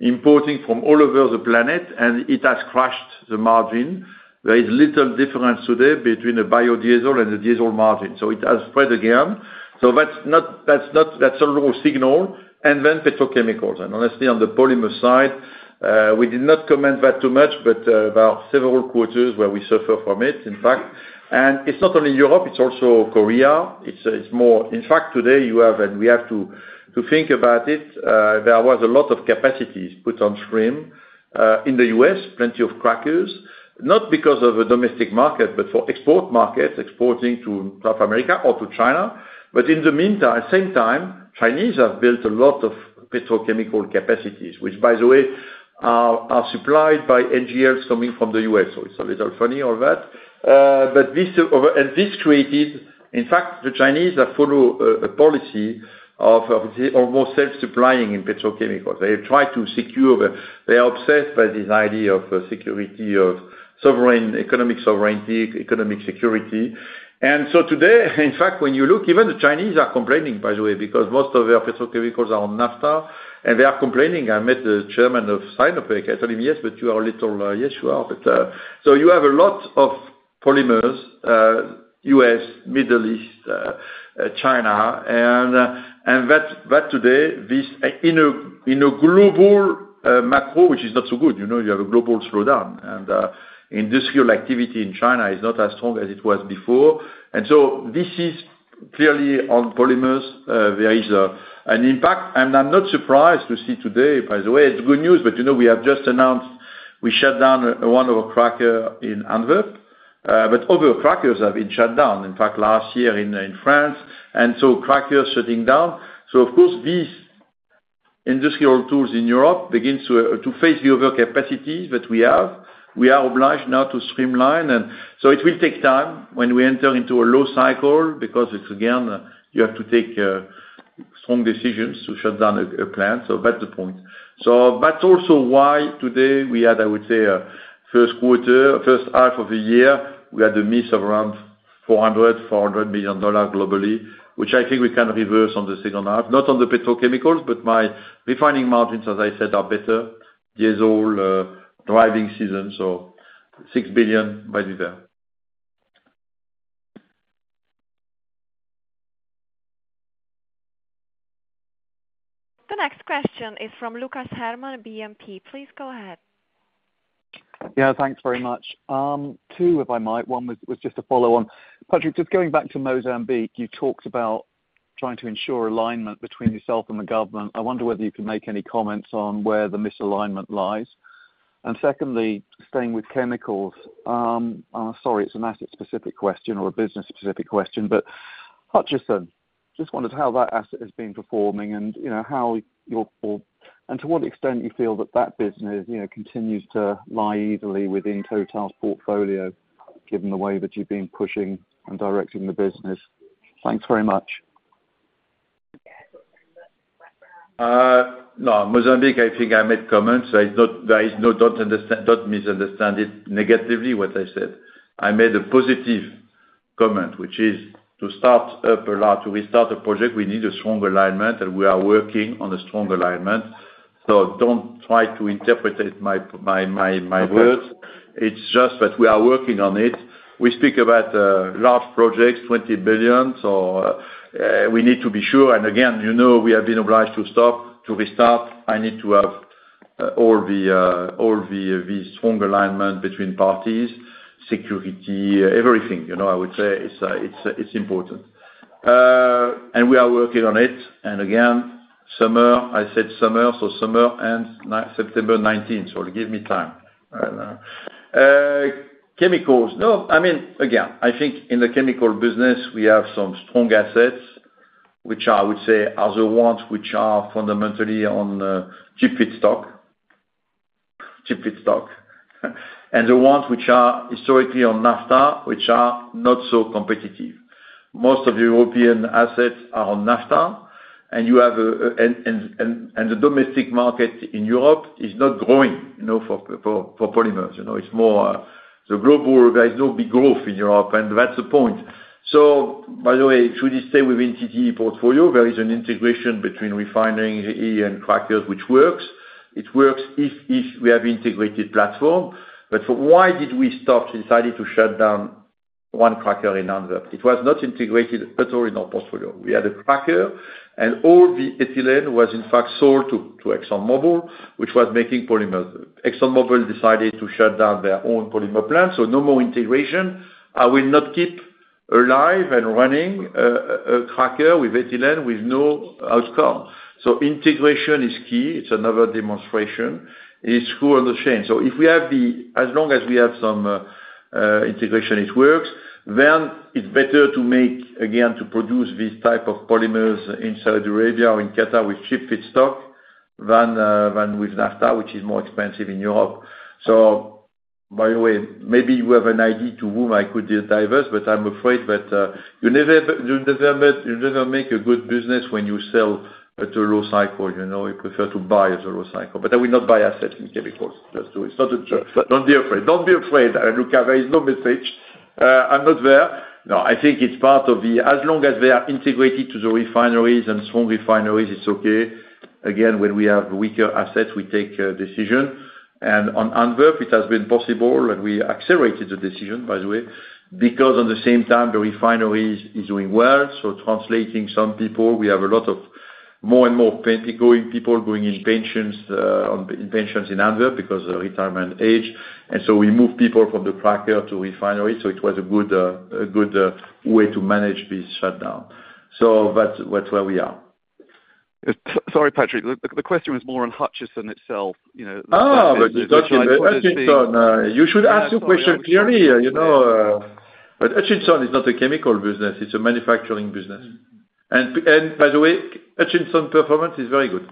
S2: importing from all over the planet, and it has crushed the margin. There is little difference today between the biodiesel and the diesel margin. It has spread again. That is a low signal. Then petrochemicals. Honestly, on the polymer side, we did not comment that too much, but there are several quarters where we suffer from it, in fact. It is not only Europe, it is also Korea. In fact, today, you have and we have to think about it. There was a lot of capacities put on stream in the U.S., plenty of crackers, not because of the domestic market, but for export markets, exporting to South America or to China. In the meantime, Chinese have built a lot of petrochemical capacities, which, by the way, are supplied by NGLs coming from the U.S. It is a little funny, all that. This created, in fact, the Chinese have followed a policy of almost self-supplying in petrochemicals. They have tried to secure. They are obsessed by this idea of security, of economic sovereignty, economic security. Today, in fact, when you look, even the Chinese are complaining, by the way, because most of their petrochemicals are on naphtha, and they are complaining. I met the chairman of Sinopec. I told him, "Yes, but you are a little" "Yes, you are." You have a lot of polymers. U.S., Middle East, China. Today, this, in a global macro, which is not so good. You have a global slowdown. Industrial activity in China is not as strong as it was before. This is clearly on polymers. There is an impact. I am not surprised to see today, by the way, it is good news, but we have just announced we shut down one of our crackers in Anvers. Other crackers have been shut down, in fact, last year in France. Crackers shutting down. Of course, these industrial tools in Europe begin to face the other capacities that we have. We are obliged now to streamline. It will take time when we enter into a low cycle because, again, you have to take strong decisions to shut down a plant. That is the point. That's also why today we had, I would say, first quarter, first half of the year, we had a miss of around $400 million globally, which I think we can reverse in the second half. Not on the petrochemicals, but my refining margins, as I said, are better. Diesel, driving season. So $6 billion by there.
S1: The next question is from Lucas Hermann, BNP. Please go ahead.
S12: Yeah, thanks very much. Two, if I might. One was just a follow-on. Patrick, just going back to Mozambique, you talked about trying to ensure alignment between yourself and the government. I wonder whether you can make any comments on where the misalignment lies. Secondly, staying with chemicals. Sorry, it's an asset-specific question or a business-specific question, but Hutchison, just wondered how that asset has been performing and how your, and to what extent you feel that that business continues to lie easily within TotalEnergies' portfolio, given the way that you've been pushing and directing the business. Thanks very much.
S2: No, Mozambique, I think I made comments. Please do not misunderstand it negatively, what I said. I made a positive comment, which is to start up a lot, to restart a project, we need a strong alignment, and we are working on a strong alignment. Do not try to interpret my words. It is just that we are working on it. We speak about large projects, $20 billion. We need to be sure. Again, we have been obliged to stop, to restart. I need to have all the strong alignment between parties, security, everything. I would say it is important. We are working on it. Again, summer, I said summer, so summer ends September 19. Give me time. Chemicals. No, I mean, again, I think in the chemical business, we have some strong assets, which I would say are the ones which are fundamentally on cheap feedstock. Cheap feedstock. The ones which are historically on naphtha, which are not so competitive. Most of the European assets are on naphtha, and you have the domestic market in Europe is not growing for polymers. It is more the global, there is no big growth in Europe, and that is the point. By the way, should we stay within TTE portfolio? There is an integration between refineries and crackers, which works. It works if we have an integrated platform. Why did we start to decide to shut down one cracker in Anvers? It was not integrated at all in our portfolio. We had a cracker, and all the ethylene was, in fact, sold to ExxonMobil, which was making polymers. ExxonMobil decided to shut down their own polymer plant. No more integration. I will not keep alive and running a cracker with ethylene with no outcome. Integration is key. It is another demonstration. It is screw on the chain. If we have the, as long as we have some integration, it works, then it is better to make, again, to produce these types of polymers in Saudi Arabia or in Qatar with cheap feedstock than with naphtha, which is more expensive in Europe. By the way, maybe you have an idea to whom I could divest, but I am afraid that you never make a good business when you sell at a low cycle. You prefer to buy at a low cycle. I will not buy assets in chemicals. Just do it. Do not be afraid. Do not be afraid. I look at it. There is no message. I am not there. No, I think it is part of the, as long as they are integrated to the refineries and strong refineries, it is okay. Again, when we have weaker assets, we take a decision. On Antwerp, it has been possible, and we accelerated the decision, by the way, because at the same time, the refineries are doing well. Translating some people, we have a lot of more and more people going in pensions. In pensions in Anvers because of retirement age. We moved people from the cracker to refineries. It was a good way to manage this shutdown. That's where we are.
S12: Sorry, Patrick. The question was more on Hutchison itself.
S2: Oh, but Hutchison. You should ask your question clearly. But Hutchison is not a chemical business. It's a manufacturing business. And by the way, Hutchison's performance is very good.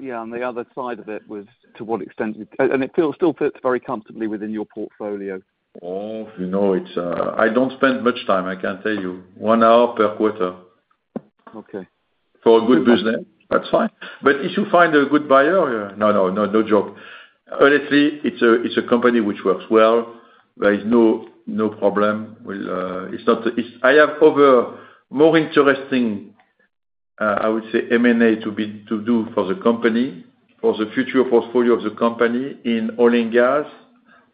S12: Yeah, on the other side of it was to what extent? And it still fits very comfortably within your portfolio.
S2: Oh, I don't spend much time. I can't tell you. One hour per quarter.
S12: Okay.
S2: For a good business, that's fine. If you find a good buyer, no, no, no joke. Honestly, it's a company which works well. There is no problem. I have more interesting, I would say, M&A to do for the company, for the future portfolio of the company in oil and gas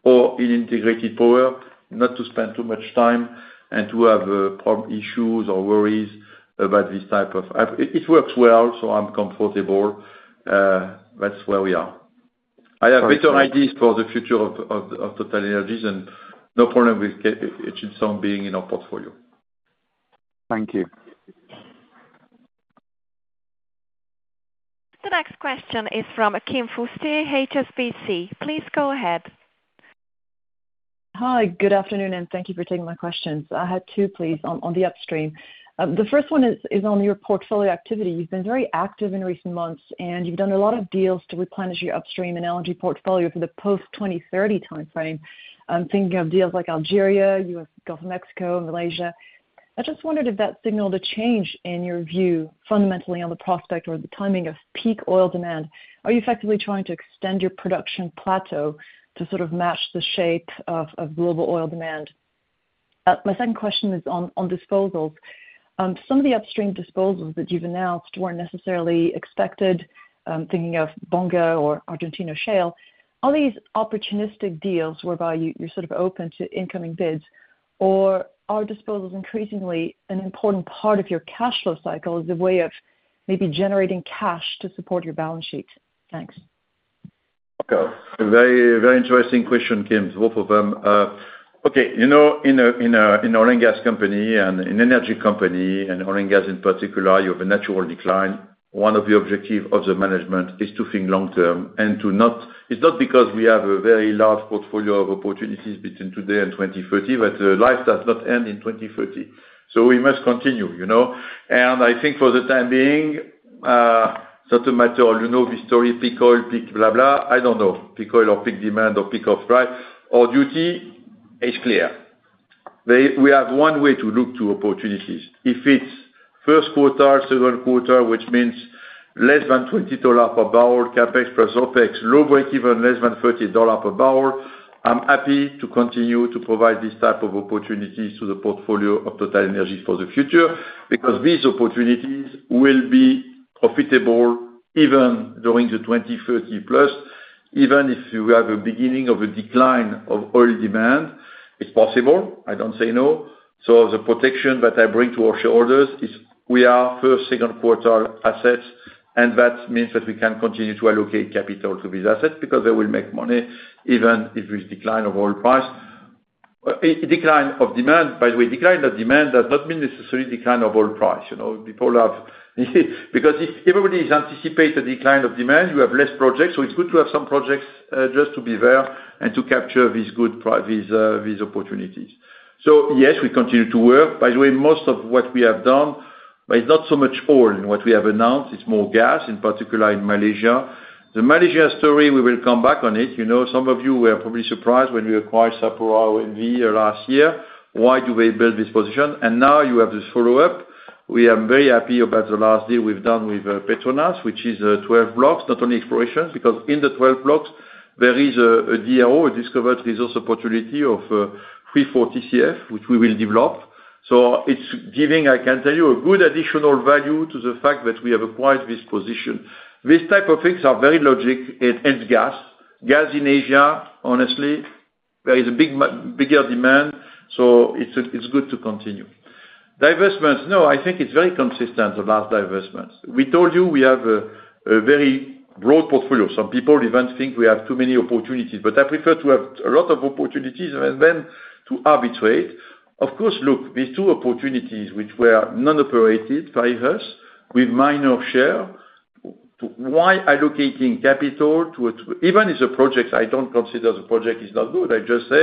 S2: or in integrated power, not to spend too much time and to have problem issues or worries about this type of it works well, so I'm comfortable. That's where we are. I have better ideas for the future of TotalEnergies and no problem with Hutchison being in our portfolio.
S12: Thank you.
S1: The next question is from Kim Fustier, HSBC. Please go ahead.
S13: Hi, good afternoon, and thank you for taking my questions. I had two, please, on the upstream. The first one is on your portfolio activity. You've been very active in recent months, and you've done a lot of deals to replenish your upstream and energy portfolio for the post-2030 timeframe. I'm thinking of deals like Algeria, U.S. Gulf of Mexico, Malaysia. I just wondered if that signaled a change in your view fundamentally on the prospect or the timing of peak oil demand. Are you effectively trying to extend your production plateau to sort of match the shape of global oil demand? My second question is on disposals. Some of the upstream disposals that you've announced weren't necessarily expected, thinking of Bonga or Argentino Shale. Are these opportunistic deals whereby you're sort of open to incoming bids, or are disposals increasingly an important part of your cash flow cycle as a way of maybe generating cash to support your balance sheet? Thanks.
S2: Okay. Very interesting question, Kim, both of them. Okay. In an oil and gas company and an energy company, and oil and gas in particular, you have a natural decline. One of the objectives of the management is to think long-term and to not, it's not because we have a very large portfolio of opportunities between today and 2030, but life does not end in 2030. We must continue. I think for the time being, it's not a matter of history, peak oil, peak blah, blah. I do not know. Peak oil or peak demand or peak of price or duty is clear. We have one way to look to opportunities. If it is first quarter, second quarter, which means less than $20 per barrel CapEx plus OpEx, low breakeven, less than $30 per barrel, I am happy to continue to provide this type of opportunities to the portfolio of TotalEnergies for the future because these opportunities will be profitable even during the 2030 plus. Even if you have a beginning of a decline of oil demand, it is possible. I do not say no. The protection that I bring to our shareholders is we are first, second quarter assets, and that means that we can continue to allocate capital to these assets because they will make money even if there is a decline of oil price. Decline of demand, by the way, decline of demand does not mean necessarily decline of oil price. Because if everybody is anticipating a decline of demand, you have less projects. It is good to have some projects just to be there and to capture these good opportunities. Yes, we continue to work. By the way, most of what we have done, but it is not so much oil in what we have announced. It is more gas, in particular in Malaysia. The Malaysia story, we will come back on it. Some of you were probably surprised when we acquired SapuraOMV last year. Why do they build this position? Now you have this follow-up. We are very happy about the last deal we have done with Petronas, which is 12 blocks, not only exploration, because in the 12 blocks, there is a DRO, a Discovered Resource Opportunity, of 3-4 TcF, which we will develop. It is giving, I can tell you, a good additional value to the fact that we have acquired this position. These types of things are very logic and gas. Gas in Asia, honestly, there is a bigger demand. It is good to continue. Divestments, no, I think it is very consistent, the last divestments. We told you we have a very broad portfolio. Some people even think we have too many opportunities. I prefer to have a lot of opportunities and then to arbitrate. Of course, look, these two opportunities, which were non-operated by us with minor share. Why allocating capital to even if the projects, I do not consider the project is not good. I just say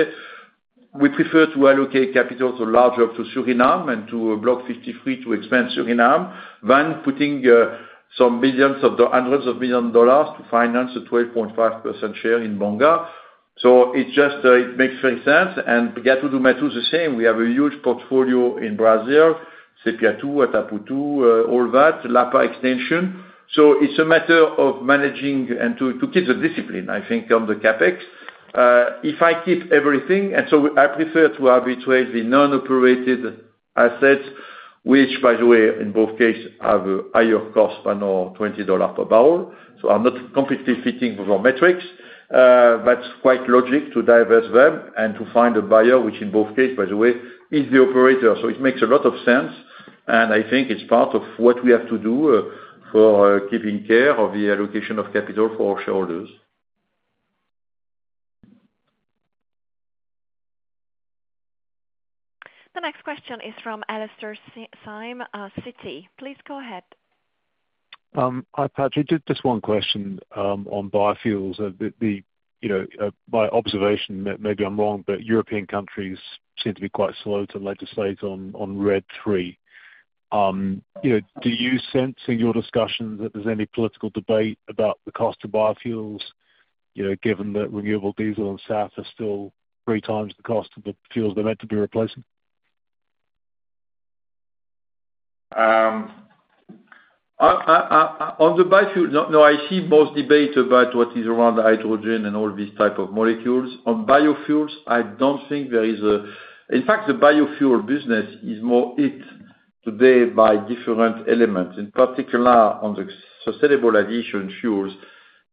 S2: we prefer to allocate capital to larger, to Suriname and to Block 53, to expand Suriname, than putting some billions or hundreds of million dollars to finance a 12.5% share in Bonga. It makes very sense. and Gato do Mato is the same. We have a huge portfolio in Brazil, Sepa-2, Atapu-2, all that, Lapa extension. It is a matter of managing and to keep the discipline, I think, on the CapEx. If I keep everything, I prefer to arbitrate the non-operated assets, which, by the way, in both cases, have a higher cost than $20 per barrel. It is not completely fitting with our metrics, but it is quite logic to divest them and to find a buyer, which in both cases, by the way, is the operator. It makes a lot of sense. I think it is part of what we have to do for keeping care of the allocation of capital for our shareholders.
S1: The next question is from Alastair Syme, Citi. Please go ahead.
S14: Hi, Patrick. Just one question on biofuels. By observation, maybe I'm wrong, but European countries seem to be quite slow to legislate on Red III. Do you sense in your discussions that there's any political debate about the cost of biofuels, given that renewable diesel and SAF are still three times the cost of the fuels they're meant to be replacing?
S2: On the biofuel, no, I see most debate about what is around hydrogen and all these types of molecules. On biofuels, I do not think there is a—in fact, the biofuel business is more hit today by different elements, in particular on the sustainable aviation fuels.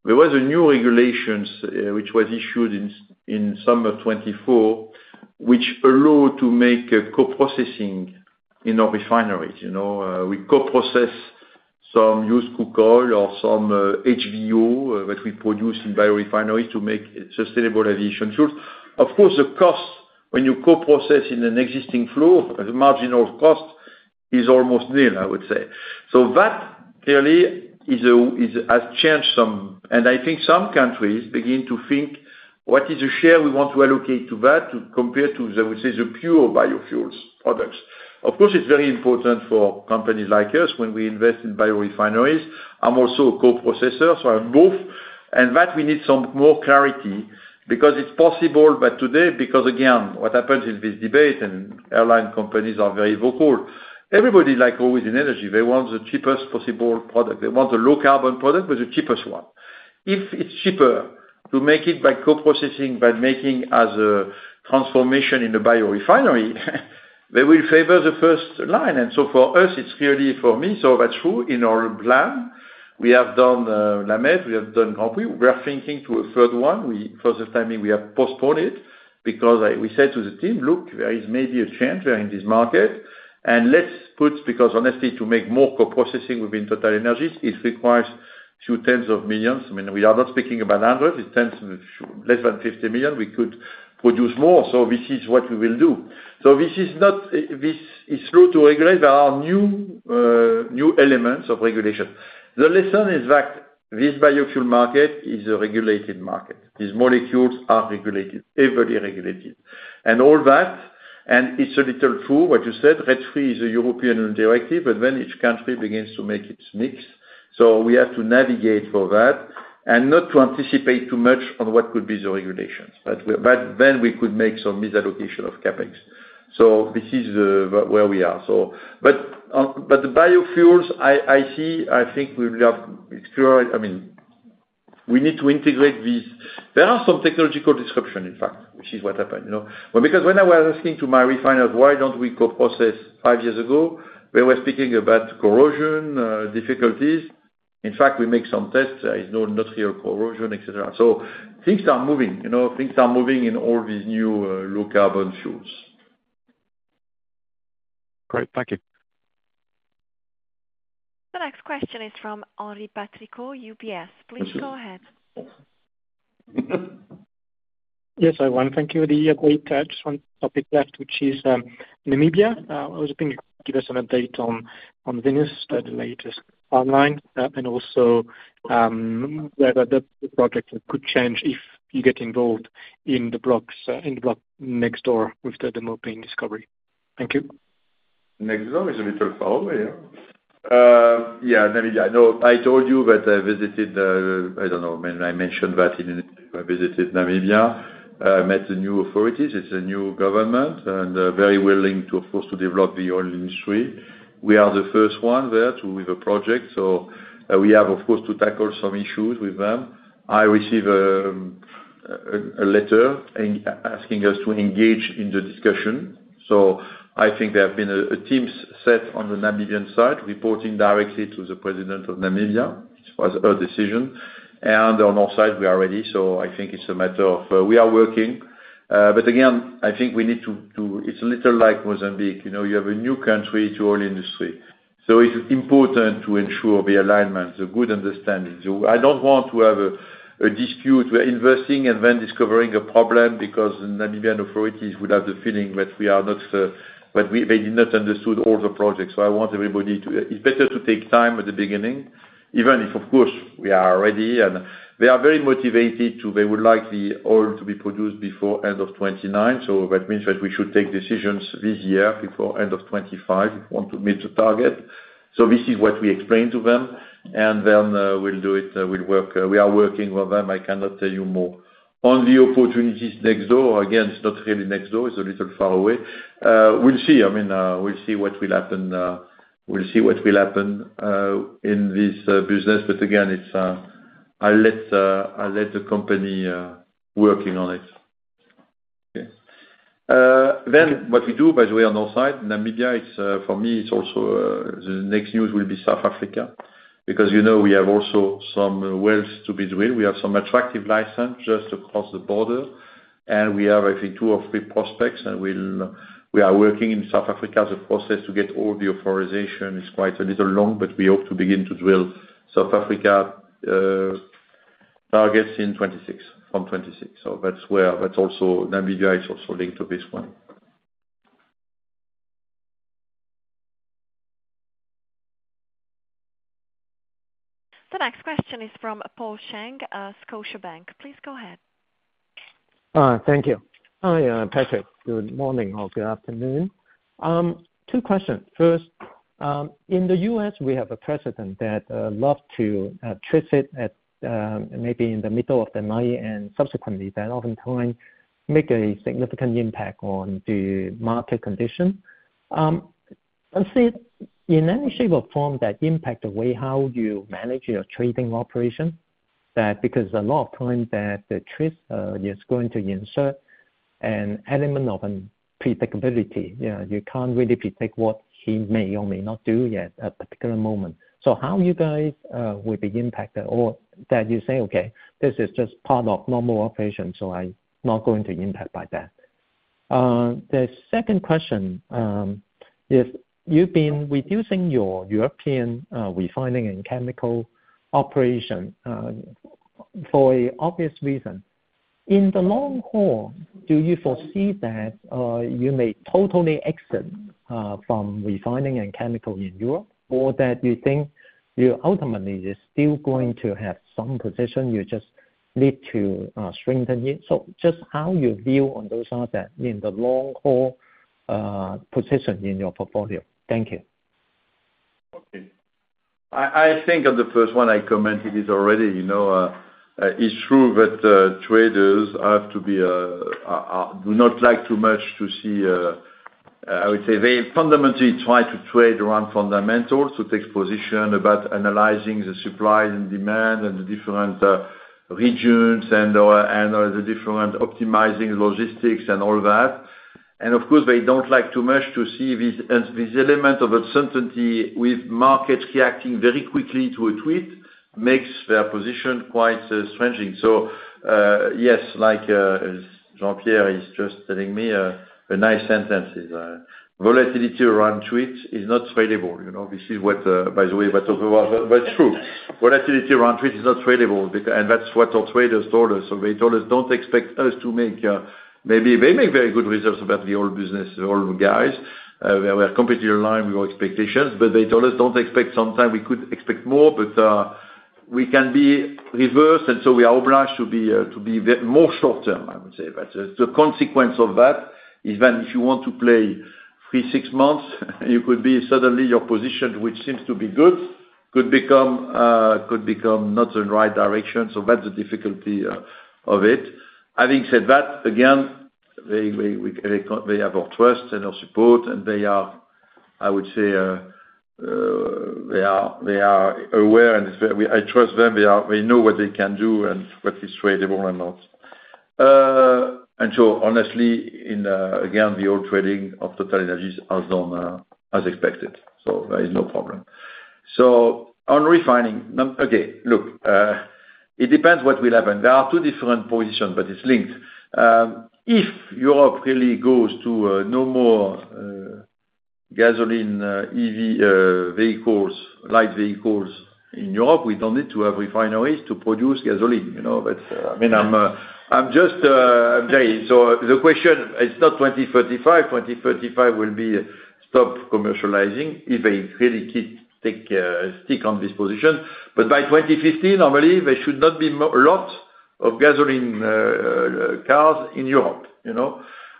S2: There was a new regulation which was issued in summer 2024, which allowed to make co-processing in our refineries. We co-process some used cook oil or some HVO that we produce in biorefineries to make sustainable aviation fuels. Of course, the cost when you co-process in an existing flow, the marginal cost is almost nil, I would say. That clearly has changed some. I think some countries begin to think, what is the share we want to allocate to that to compare to, I would say, the pure biofuels products? Of course, it is very important for companies like us when we invest in biorefineries. I am also a co-processor, so I am both. We need some more clarity because it is possible today because, again, what happens in this debate and airline companies are very vocal. Everybody, like always in energy, they want the cheapest possible product. They want the low-carbon product, but the cheapest one. If it is cheaper to make it by co-processing, by making as a transformation in a biorefinery, they will favor the first line. For us, it is clearly for me, so that is true. In our plan, we have done La Mede, we have done Grandpuits. We are thinking to a third one. For the timing, we have postponed it because we said to the team, look, there is maybe a change in this market. Let us put, because honestly, to make more co-processing within TotalEnergies, it requires a few tens of millions. I mean, we are not speaking about hundreds. It is tens of millions, less than $50 million. We could produce more. This is what we will do. This is not—this is slow to regulate. There are new elements of regulation. The lesson is that this biofuel market is a regulated market. These molecules are regulated, heavily regulated. All that, and it is a little true, what you said, Red III is a European directive, but then each country begins to make its mix. We have to navigate for that and not to anticipate too much on what could be the regulations. Then we could make some misallocation of CapEx. This is where we are. The biofuels, I see, I think we will have—I mean, we need to integrate these. There are some technological disruptions, in fact, which is what happened. Because when I was asking to my refiners, why do not we co-process five years ago, they were speaking about corrosion difficulties. In fact, we make some tests. There is no nutrient corrosion, etc. Things are moving. Things are moving in all these new low-carbon fuels.
S14: Great. Thank you.
S1: The next question is from Henri Patricot, UBS. Please go ahead.
S15: Yes, I want to thank you for the great touch. One topic left, which is Namibia. I was hoping you could give us an update on Venus, the latest online, and also whether the project could change if you get involved in the blocks next door with the Mopane being discovered. Thank you.
S2: Next door is a little far away. Yeah, Namibia. I know I told you that I visited—I don't know. I mentioned that I visited Namibia. I met the new authorities. It's a new government and very willing to, of course, develop the oil industry. We are the first one there with a project. We have, of course, to tackle some issues with them. I received a letter asking us to engage in the discussion. I think there has been a team set on the Namibian side, reporting directly to the president of Namibia. It was her decision. On our side, we are ready. I think it's a matter of—we are working. I think we need to—it's a little like Mozambique. You have a new country to oil industry. It's important to ensure the alignment, the good understanding. I don't want to have a dispute. We're investing and then discovering a problem because the Namibian authorities would have the feeling that we are not—that they did not understand all the projects. I want everybody to—it's better to take time at the beginning, even if, of course, we are ready. They are very motivated to—they would like the oil to be produced before the end of 2029. That means that we should take decisions this year before the end of 2025 if we want to meet the target. This is what we explained to them. We'll do it. We're working with them. I cannot tell you more. On the opportunities next door, again, it's not really next door. It's a little far away. We'll see. I mean, we'll see what will happen. We'll see what will happen in this business. I'll let the company work on it. Okay. What we do, by the way, on our side, Namibia, for me, it's also the next news will be South Africa because we have also some wells to be drilled. We have some attractive license just across the border. We have, I think, two or three prospects. We are working in South Africa as a process to get all the authorization. It's quite a little long, but we hope to begin to drill South Africa targets in 2026, from 2026. That's where that's also Namibia is also linked to this one.
S1: The next question is from Paul Cheng, Scotiabank. Please go ahead.
S16: Thank you. Hi, Patrick. Good morning or good afternoon. Two questions. First. In the U.S., we have a president that loves to trade it maybe in the middle of the night and subsequently that oftentimes makes a significant impact on the market condition. I see in any shape or form that impact the way how you manage your trading operation because a lot of times that the trade is going to insert an element of unpredictability. You can't really predict what he may or may not do at a particular moment. So how you guys will be impacted or that you say, "Okay, this is just part of normal operations, so I'm not going to impact by that." The second question. Is you've been reducing your European refining and chemical operation. For an obvious reason. In the long haul, do you foresee that you may totally exit from refining and chemical in Europe or that you think you ultimately are still going to have some position you just need to strengthen it? Just how you view on those assets in the long haul. Position in your portfolio? Thank you.
S2: Okay. I think the first one I commented is already. It's true that traders have to be. Do not like too much to see. I would say they fundamentally try to trade around fundamentals to take position about analyzing the supply and demand and the different regions and the different optimizing logistics and all that. Of course, they don't like too much to see this element of uncertainty with markets reacting very quickly to a tweet, makes their position quite stranging. Yes, like Jean-Pierre is just telling me a nice sentence. Volatility around tweets is not tradable. This is what, by the way, what's true. Volatility around tweets is not tradable. That's what our traders told us. They told us, "Don't expect us to make maybe they make very good results about the old business, old guys. They were completely aligned with our expectations." They told us, "Don't expect sometime we could expect more, but. We can be reversed." We are obliged to be more short-term, I would say. The consequence of that is that if you want to play three, six months, you could be suddenly your position, which seems to be good, could become not the right direction. That's the difficulty of it. Having said that, again. They have our trust and our support, and they are, I would say. They are aware, and I trust them. They know what they can do and what is tradable and not. Honestly, again, the old trading of TotalEnergies has gone as expected. There is no problem. On refining, okay, look. It depends what will happen. There are two different positions, but it's linked. If Europe really goes to no more gasoline, EV vehicles, light vehicles in Europe, we don't need to have refineries to produce gasoline. I mean, I'm just. I'm joking. The question, it's not 2035. 2035 will be stop commercializing if they really take on this position. By 2050, I believe there should not be a lot of gasoline cars in Europe.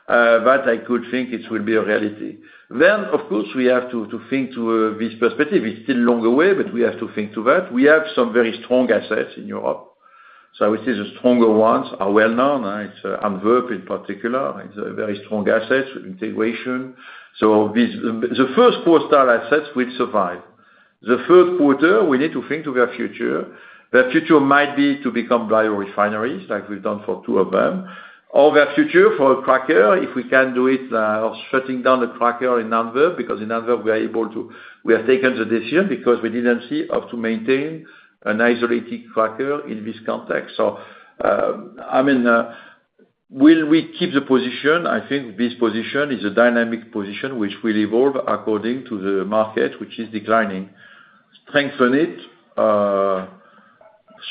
S2: I could think it will be a reality. Of course, we have to think to this perspective. It's still a long way, but we have to think to that. We have some very strong assets in Europe. I would say the stronger ones are well-known. It's Antwerp in particular. It's a very strong asset, integration. The first quarter assets will survive. The third quarter, we need to think to their future. Their future might be to become bio refineries like we've done for two of them. Or their future for a cracker, if we can do it, shutting down the cracker in Antwerp because in Antwerp, we are able to we have taken the decision because we didn't see of to maintain an isolated cracker in this context. I mean. Will we keep the position? I think this position is a dynamic position which will evolve according to the market, which is declining. Strengthen it.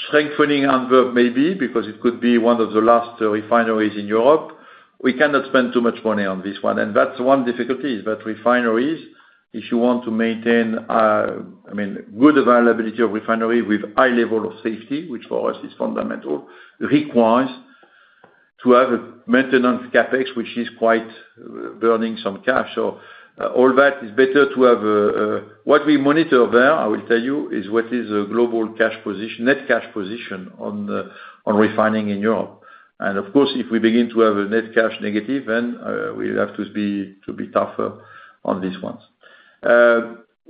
S2: Strengthening Antwerp maybe because it could be one of the last refineries in Europe. We cannot spend too much money on this one. That's one difficulty, is that refineries, if you want to maintain, I mean, good availability of refinery with high level of safety, which for us is fundamental, requires to have a maintenance CapEx, which is quite burning some cash. All that is better to have a—what we monitor there, I will tell you, is what is a global cash position, net cash position on refining in Europe. Of course, if we begin to have a net cash negative, then we'll have to be tougher on these ones.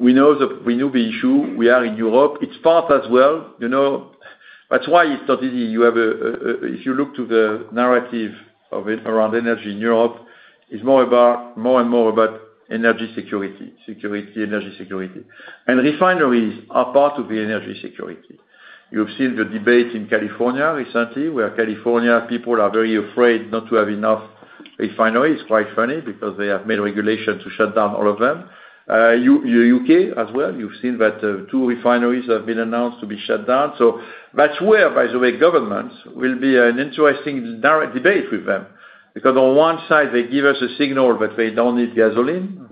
S2: We know the issue. We are in Europe. It's part as well. That's why it's not easy. If you look to the narrative of it around energy in Europe, it's more and more about energy security, energy security. Refineries are part of the energy security. You've seen the debate in California recently where California people are very afraid not to have enough refineries. It's quite funny because they have made regulations to shut down all of them. The U.K. as well, you've seen that two refineries have been announced to be shut down. That's where, by the way, governments will be an interesting debate with them. Because on one side, they give us a signal that they don't need gasoline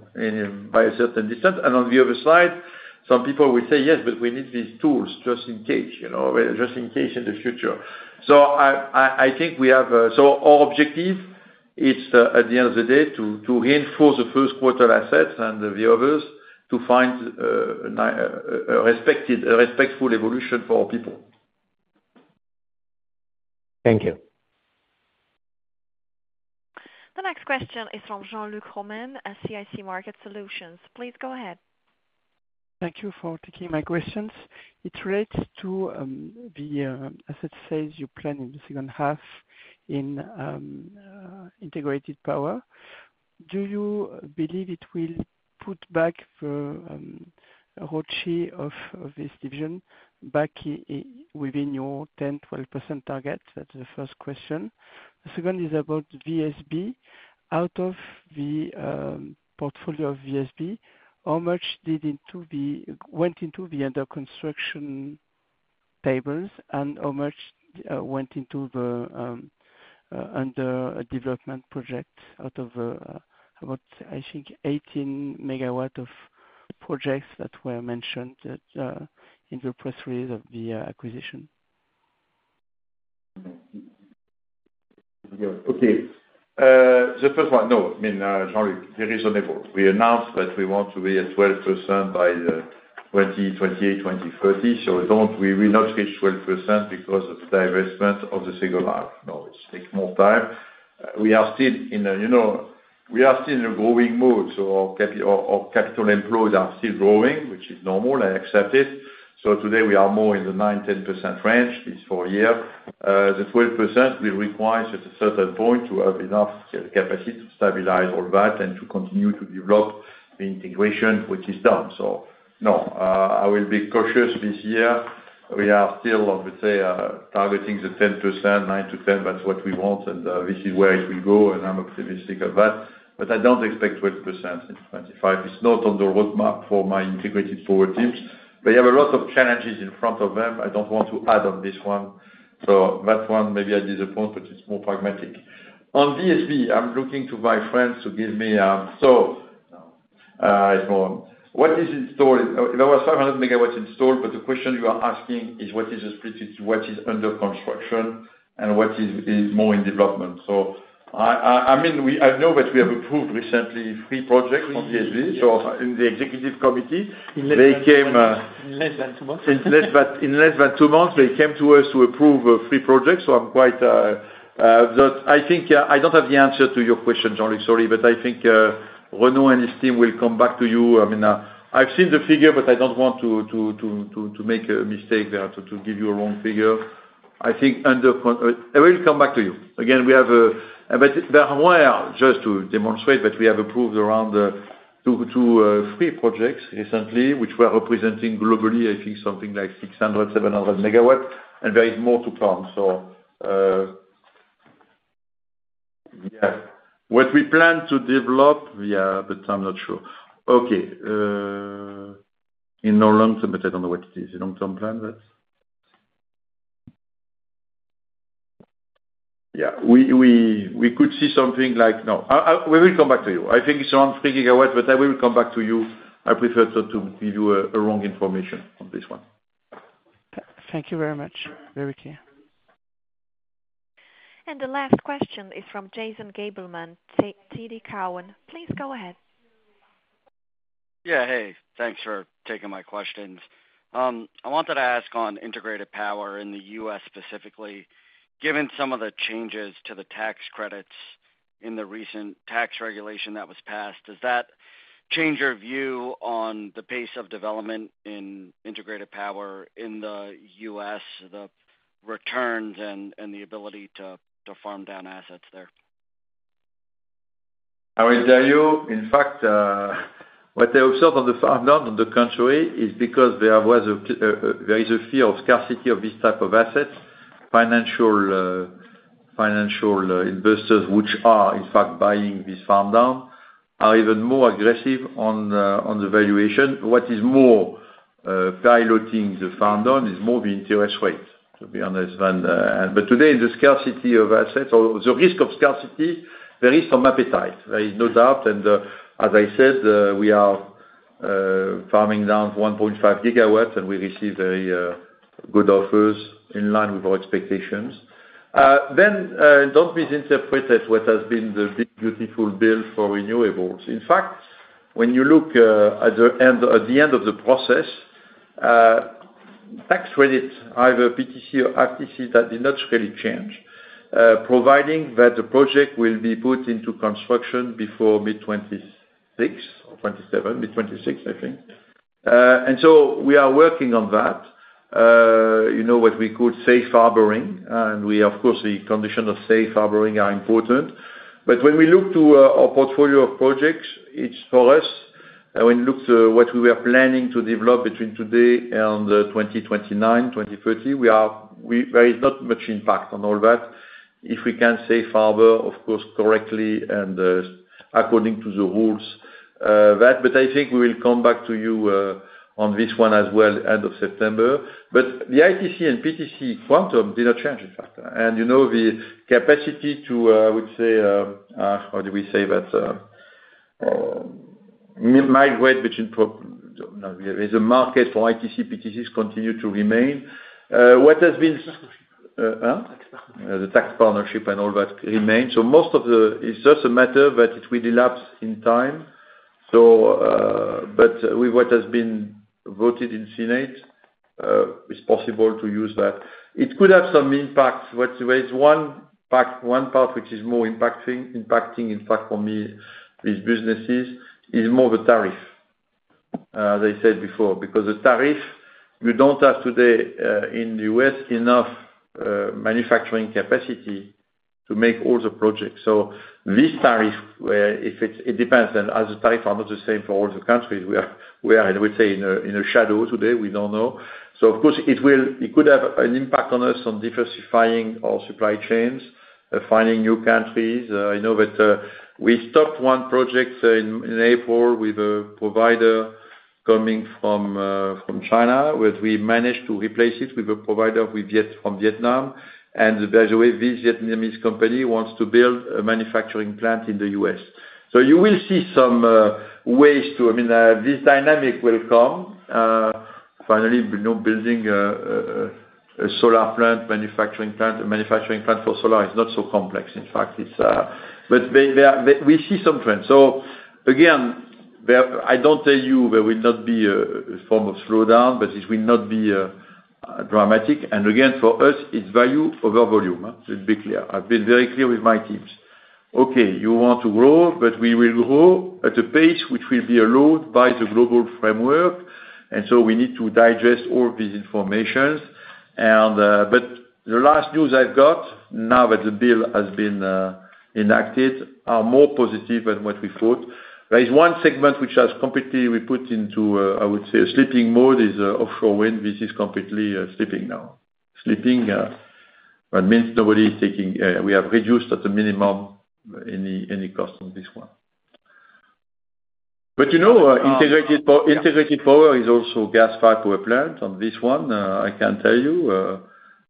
S2: by a certain distance. On the other side, some people will say, "Yes, but we need these tools just in case, just in case in the future." I think we have, so our objective, it's at the end of the day to reinforce the first quarter assets and the others to find a respectful evolution for people.
S16: Thank you.
S1: The next question is from Jean-Luc Romain at CIC Market Solutions. Please go ahead.
S17: Thank you for taking my questions. It relates to the asset sales you plan in the second half in integrated power. Do you believe it will put back the rotation of this division back within your 10%-12% target? That's the first question. The second is about VSB. Out of the portfolio of VSB, how much did it went into the under construction tables and how much went into the under development project out of about, I think, 18 MW of projects that were mentioned in the press release of the acquisition.
S2: Okay. The first one. No, I mean, Jean-Luc, very reasonable. We announced that we want to be at 12% by 2028, 2030. We will not reach 12% because of the divestment of the single-arm. It takes more time. We are still in a growing mode. Our capital employed are still growing, which is normal. I accept it. Today, we are more in the 9%-10% range this whole year. The 12% will require, at a certain point, to have enough capacity to stabilize all that and to continue to develop the integration, which is done. I will be cautious this year. We are still, I would say, targeting the 10%, 9%-10%. That is what we want. This is where it will go. I am optimistic of that. I do not expect 12% in 2025. It is not on the roadmap for my integrated power teams. They have a lot of challenges in front of them. I do not want to add on this one. That one, maybe I disappoint, but it is more pragmatic. On VSB, I am looking to my friends to give me a so. No. What is installed? There was 500 MW installed, but the question you are asking is, what is under construction and what is more in development? I know that we have approved recently three projects from VSB.
S17: In the executive committee,
S2: they came.
S17: In less than two months.
S2: In less than two months, they came to us to approve three projects. I think I do not have the answer to your question, Jean-Luc, sorry, but I think Renaud and his team will come back to you. I mean, I have seen the figure, but I do not want to make a mistake there to give you a wrong figure. I will come back to you. Again, just to demonstrate that we have approved around three projects recently, which were representing globally, I think, something like 600-700 MW. There is more to come. What we plan to develop, yeah, but I am not sure. In the long term, but I do not know what it is. Long-term plan, that is? We could see something like, no, we will come back to you. I think it is around 3 gigawatts, but I will come back to you. I prefer not to give you wrong information on this one.
S17: Thank you very much. Very clear.
S1: The last question is from Jason Gabelman, TD Cowen. Please go ahead.
S18: Yeah, hey. Thanks for taking my questions. I wanted to ask on integrated power in the U.S. specifically. Given some of the changes to the tax credits in the recent tax regulation that was passed, does that change your view on the pace of development in integrated power in the U.S., the returns, and the ability to farm down assets there?
S2: I will tell you, in fact. What I observed on the farm-down in the country is because there is a fear of scarcity of this type of assets. Financial investors, which are in fact buying this farm-down, are even more aggressive on the valuation. What is more, piloting the farm-down is more the interest rate, to be honest. Today, the scarcity of assets, or the risk of scarcity, there is some appetite. There is no doubt. As I said, we are farming down 1.5 gigawatts, and we receive very good offers in line with our expectations. Do not misinterpret it, what has been the big, beautiful build for renewables. In fact, when you look at the end of the process, tax credit, either PTC or ITC, that did not really change, providing that the project will be put into construction before mid-2026 or 2027, mid-2026, I think. We are working on that. What we could say, harboring. Of course, the condition of safe harboring is important. When we look to our portfolio of projects, for us, when we look to what we were planning to develop between today and 2029, 2030, there is not much impact on all that if we can safe harbor, of course, correctly and according to the rules. I think we will come back to you on this one as well, end of September. The ITC and PTC quantum did not change, in fact. The capacity to, I would say, how do we say that, migrate between the market for ITC, PTCs continues to remain. What has been the tax partnership and all that remain. Most of it is just a matter that it will elapse in time. With what has been voted in the Senate, it is possible to use that. It could have some impact. There is one part which is more impacting, in fact, for me, these businesses, is more the tariff. As I said before, because the tariff, you do not have today in the U.S. enough manufacturing capacity to make all the projects. This tariff, if it depends, and as the tariffs are not the same for all the countries, we are, I would say, in a shadow today. We do not know. Of course, it could have an impact on us on diversifying our supply chains, finding new countries. I know that we stopped one project in April with a provider coming from China, but we managed to replace it with a provider from Vietnam. By the way, this Vietnamese company wants to build a manufacturing plant in the U.S. You will see some ways to, I mean, this dynamic will come. Finally, building a solar plant, manufacturing plant, a manufacturing plant for solar is not so complex. In fact, but we see some trends. Again. I do not tell you there will not be a form of slowdown, but it will not be dramatic. Again, for us, it is value over volume. Let me be clear. I have been very clear with my teams. Okay, you want to grow, but we will grow at a pace which will be allowed by the global framework. We need to digest all this information. The last news I have got now that the bill has been enacted is more positive than what we thought. There is one segment which has completely, we put into, I would say, a sleeping mode. It is offshore wind. This is completely sleeping now. Sleeping, that means nobody is taking. We have reduced at a minimum any cost on this one. Integrated power is also gas fiber plant on this one. I can tell you,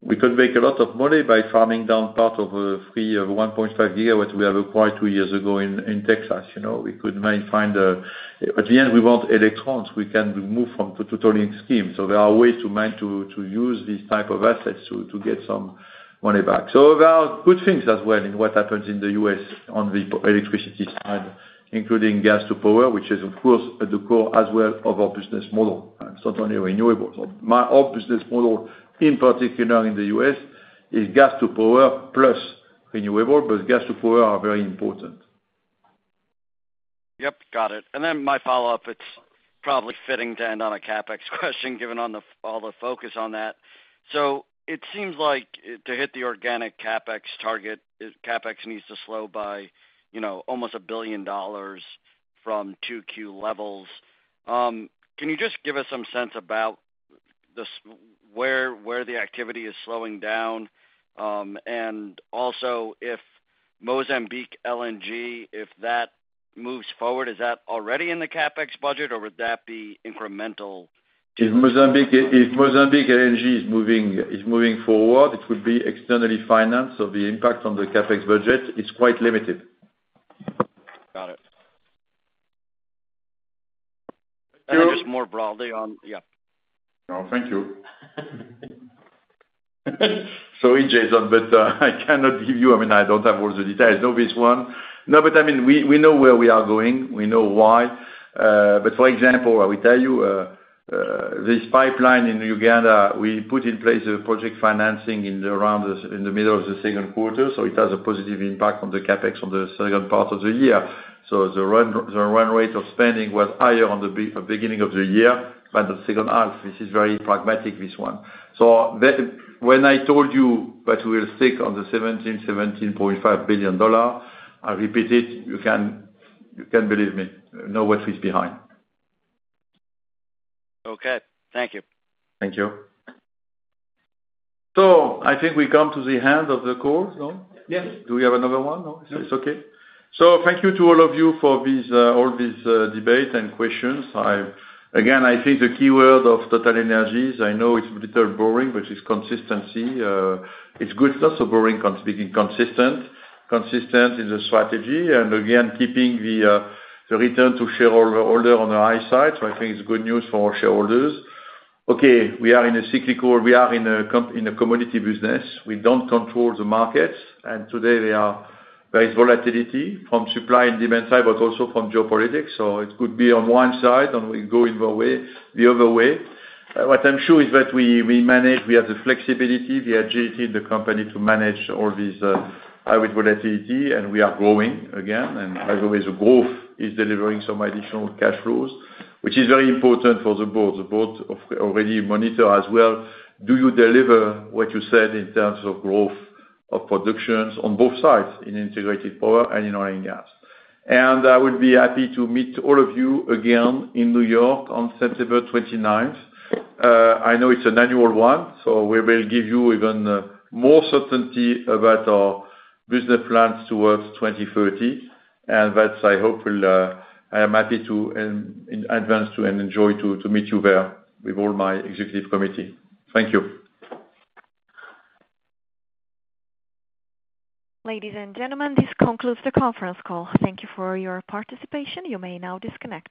S2: we could make a lot of money by farming down part of a free 1.5 gigawatt we have acquired two years ago in Texas. We could find. At the end, we want electrons. We can remove from the totally scheme. There are ways to use these types of assets to get some money back. There are good things as well in what happens in the U.S. on the electricity side, including gas to power, which is, of course, at the core as well of our business model. It is not only renewables. Our business model, in particular in the U.S., is gas to power plus renewable, but gas to power are very important.
S18: Yep. Got it. My follow-up, it's probably fitting to end on a CapEx question given all the focus on that. It seems like to hit the organic CapEx target, CapEx needs to slow by almost $1 billion from 2Q levels. Can you just give us some sense about where the activity is slowing down? Also, if Mozambique LNG, if that moves forward, is that already in the CapEx budget, or would that be incremental?
S2: If Mozambique LNG is moving forward, it will be externally financed. The impact on the CapEx budget is quite limited.
S18: Got it. Or just more broadly on, yeah.
S2: No, thank you. Sorry, Jason, but I cannot give you, I mean, I do not have all the details. No, this one. No, but I mean, we know where we are going. We know why. For example, I will tell you, this pipeline in Uganda, we put in place a project financing in the middle of the second quarter. It has a positive impact on the CapEx on the second part of the year. The run rate of spending was higher at the beginning of the year than the second half. This is very pragmatic, this one. When I told you that we will stick on the $17 billion-$17.5 billion, I repeat it, you can believe me. Know what we have behind.
S18: Okay. Thank you.
S2: Thank you. I think we come to the end of the call, no? Yes. Do we have another one? No? It's okay? Thank you to all of you for all these debates and questions. Again, I think the keyword of TotalEnergies, I know it's a little boring, but it's consistency. It's good. It's not so boring becoming consistent. Consistent in the strategy. Again, keeping the return to shareholder on the high side. I think it's good news for our shareholders. We are in a cyclical, we are in a commodity business. We don't control the markets. Today, there is volatility from supply and demand side, but also from geopolitics. It could be on one side, and we go the other way. What I'm sure is that we manage, we have the flexibility, the agility in the company to manage all this high-rate volatility, and we are growing again. As always, the growth is delivering some additional cash flows, which is very important for the board. The board already monitors as well. Do you deliver what you said in terms of growth of productions on both sides, in integrated power and in oil and gas? I would be happy to meet all of you again in New York on September 29. I know it's an annual one, so we will give you even more certainty about our business plans towards 2030. I hope, I am happy to advance to and enjoy to meet you there with all my executive committee. Thank you.
S1: Ladies and gentlemen, this concludes the conference call. Thank you for your participation. You may now disconnect.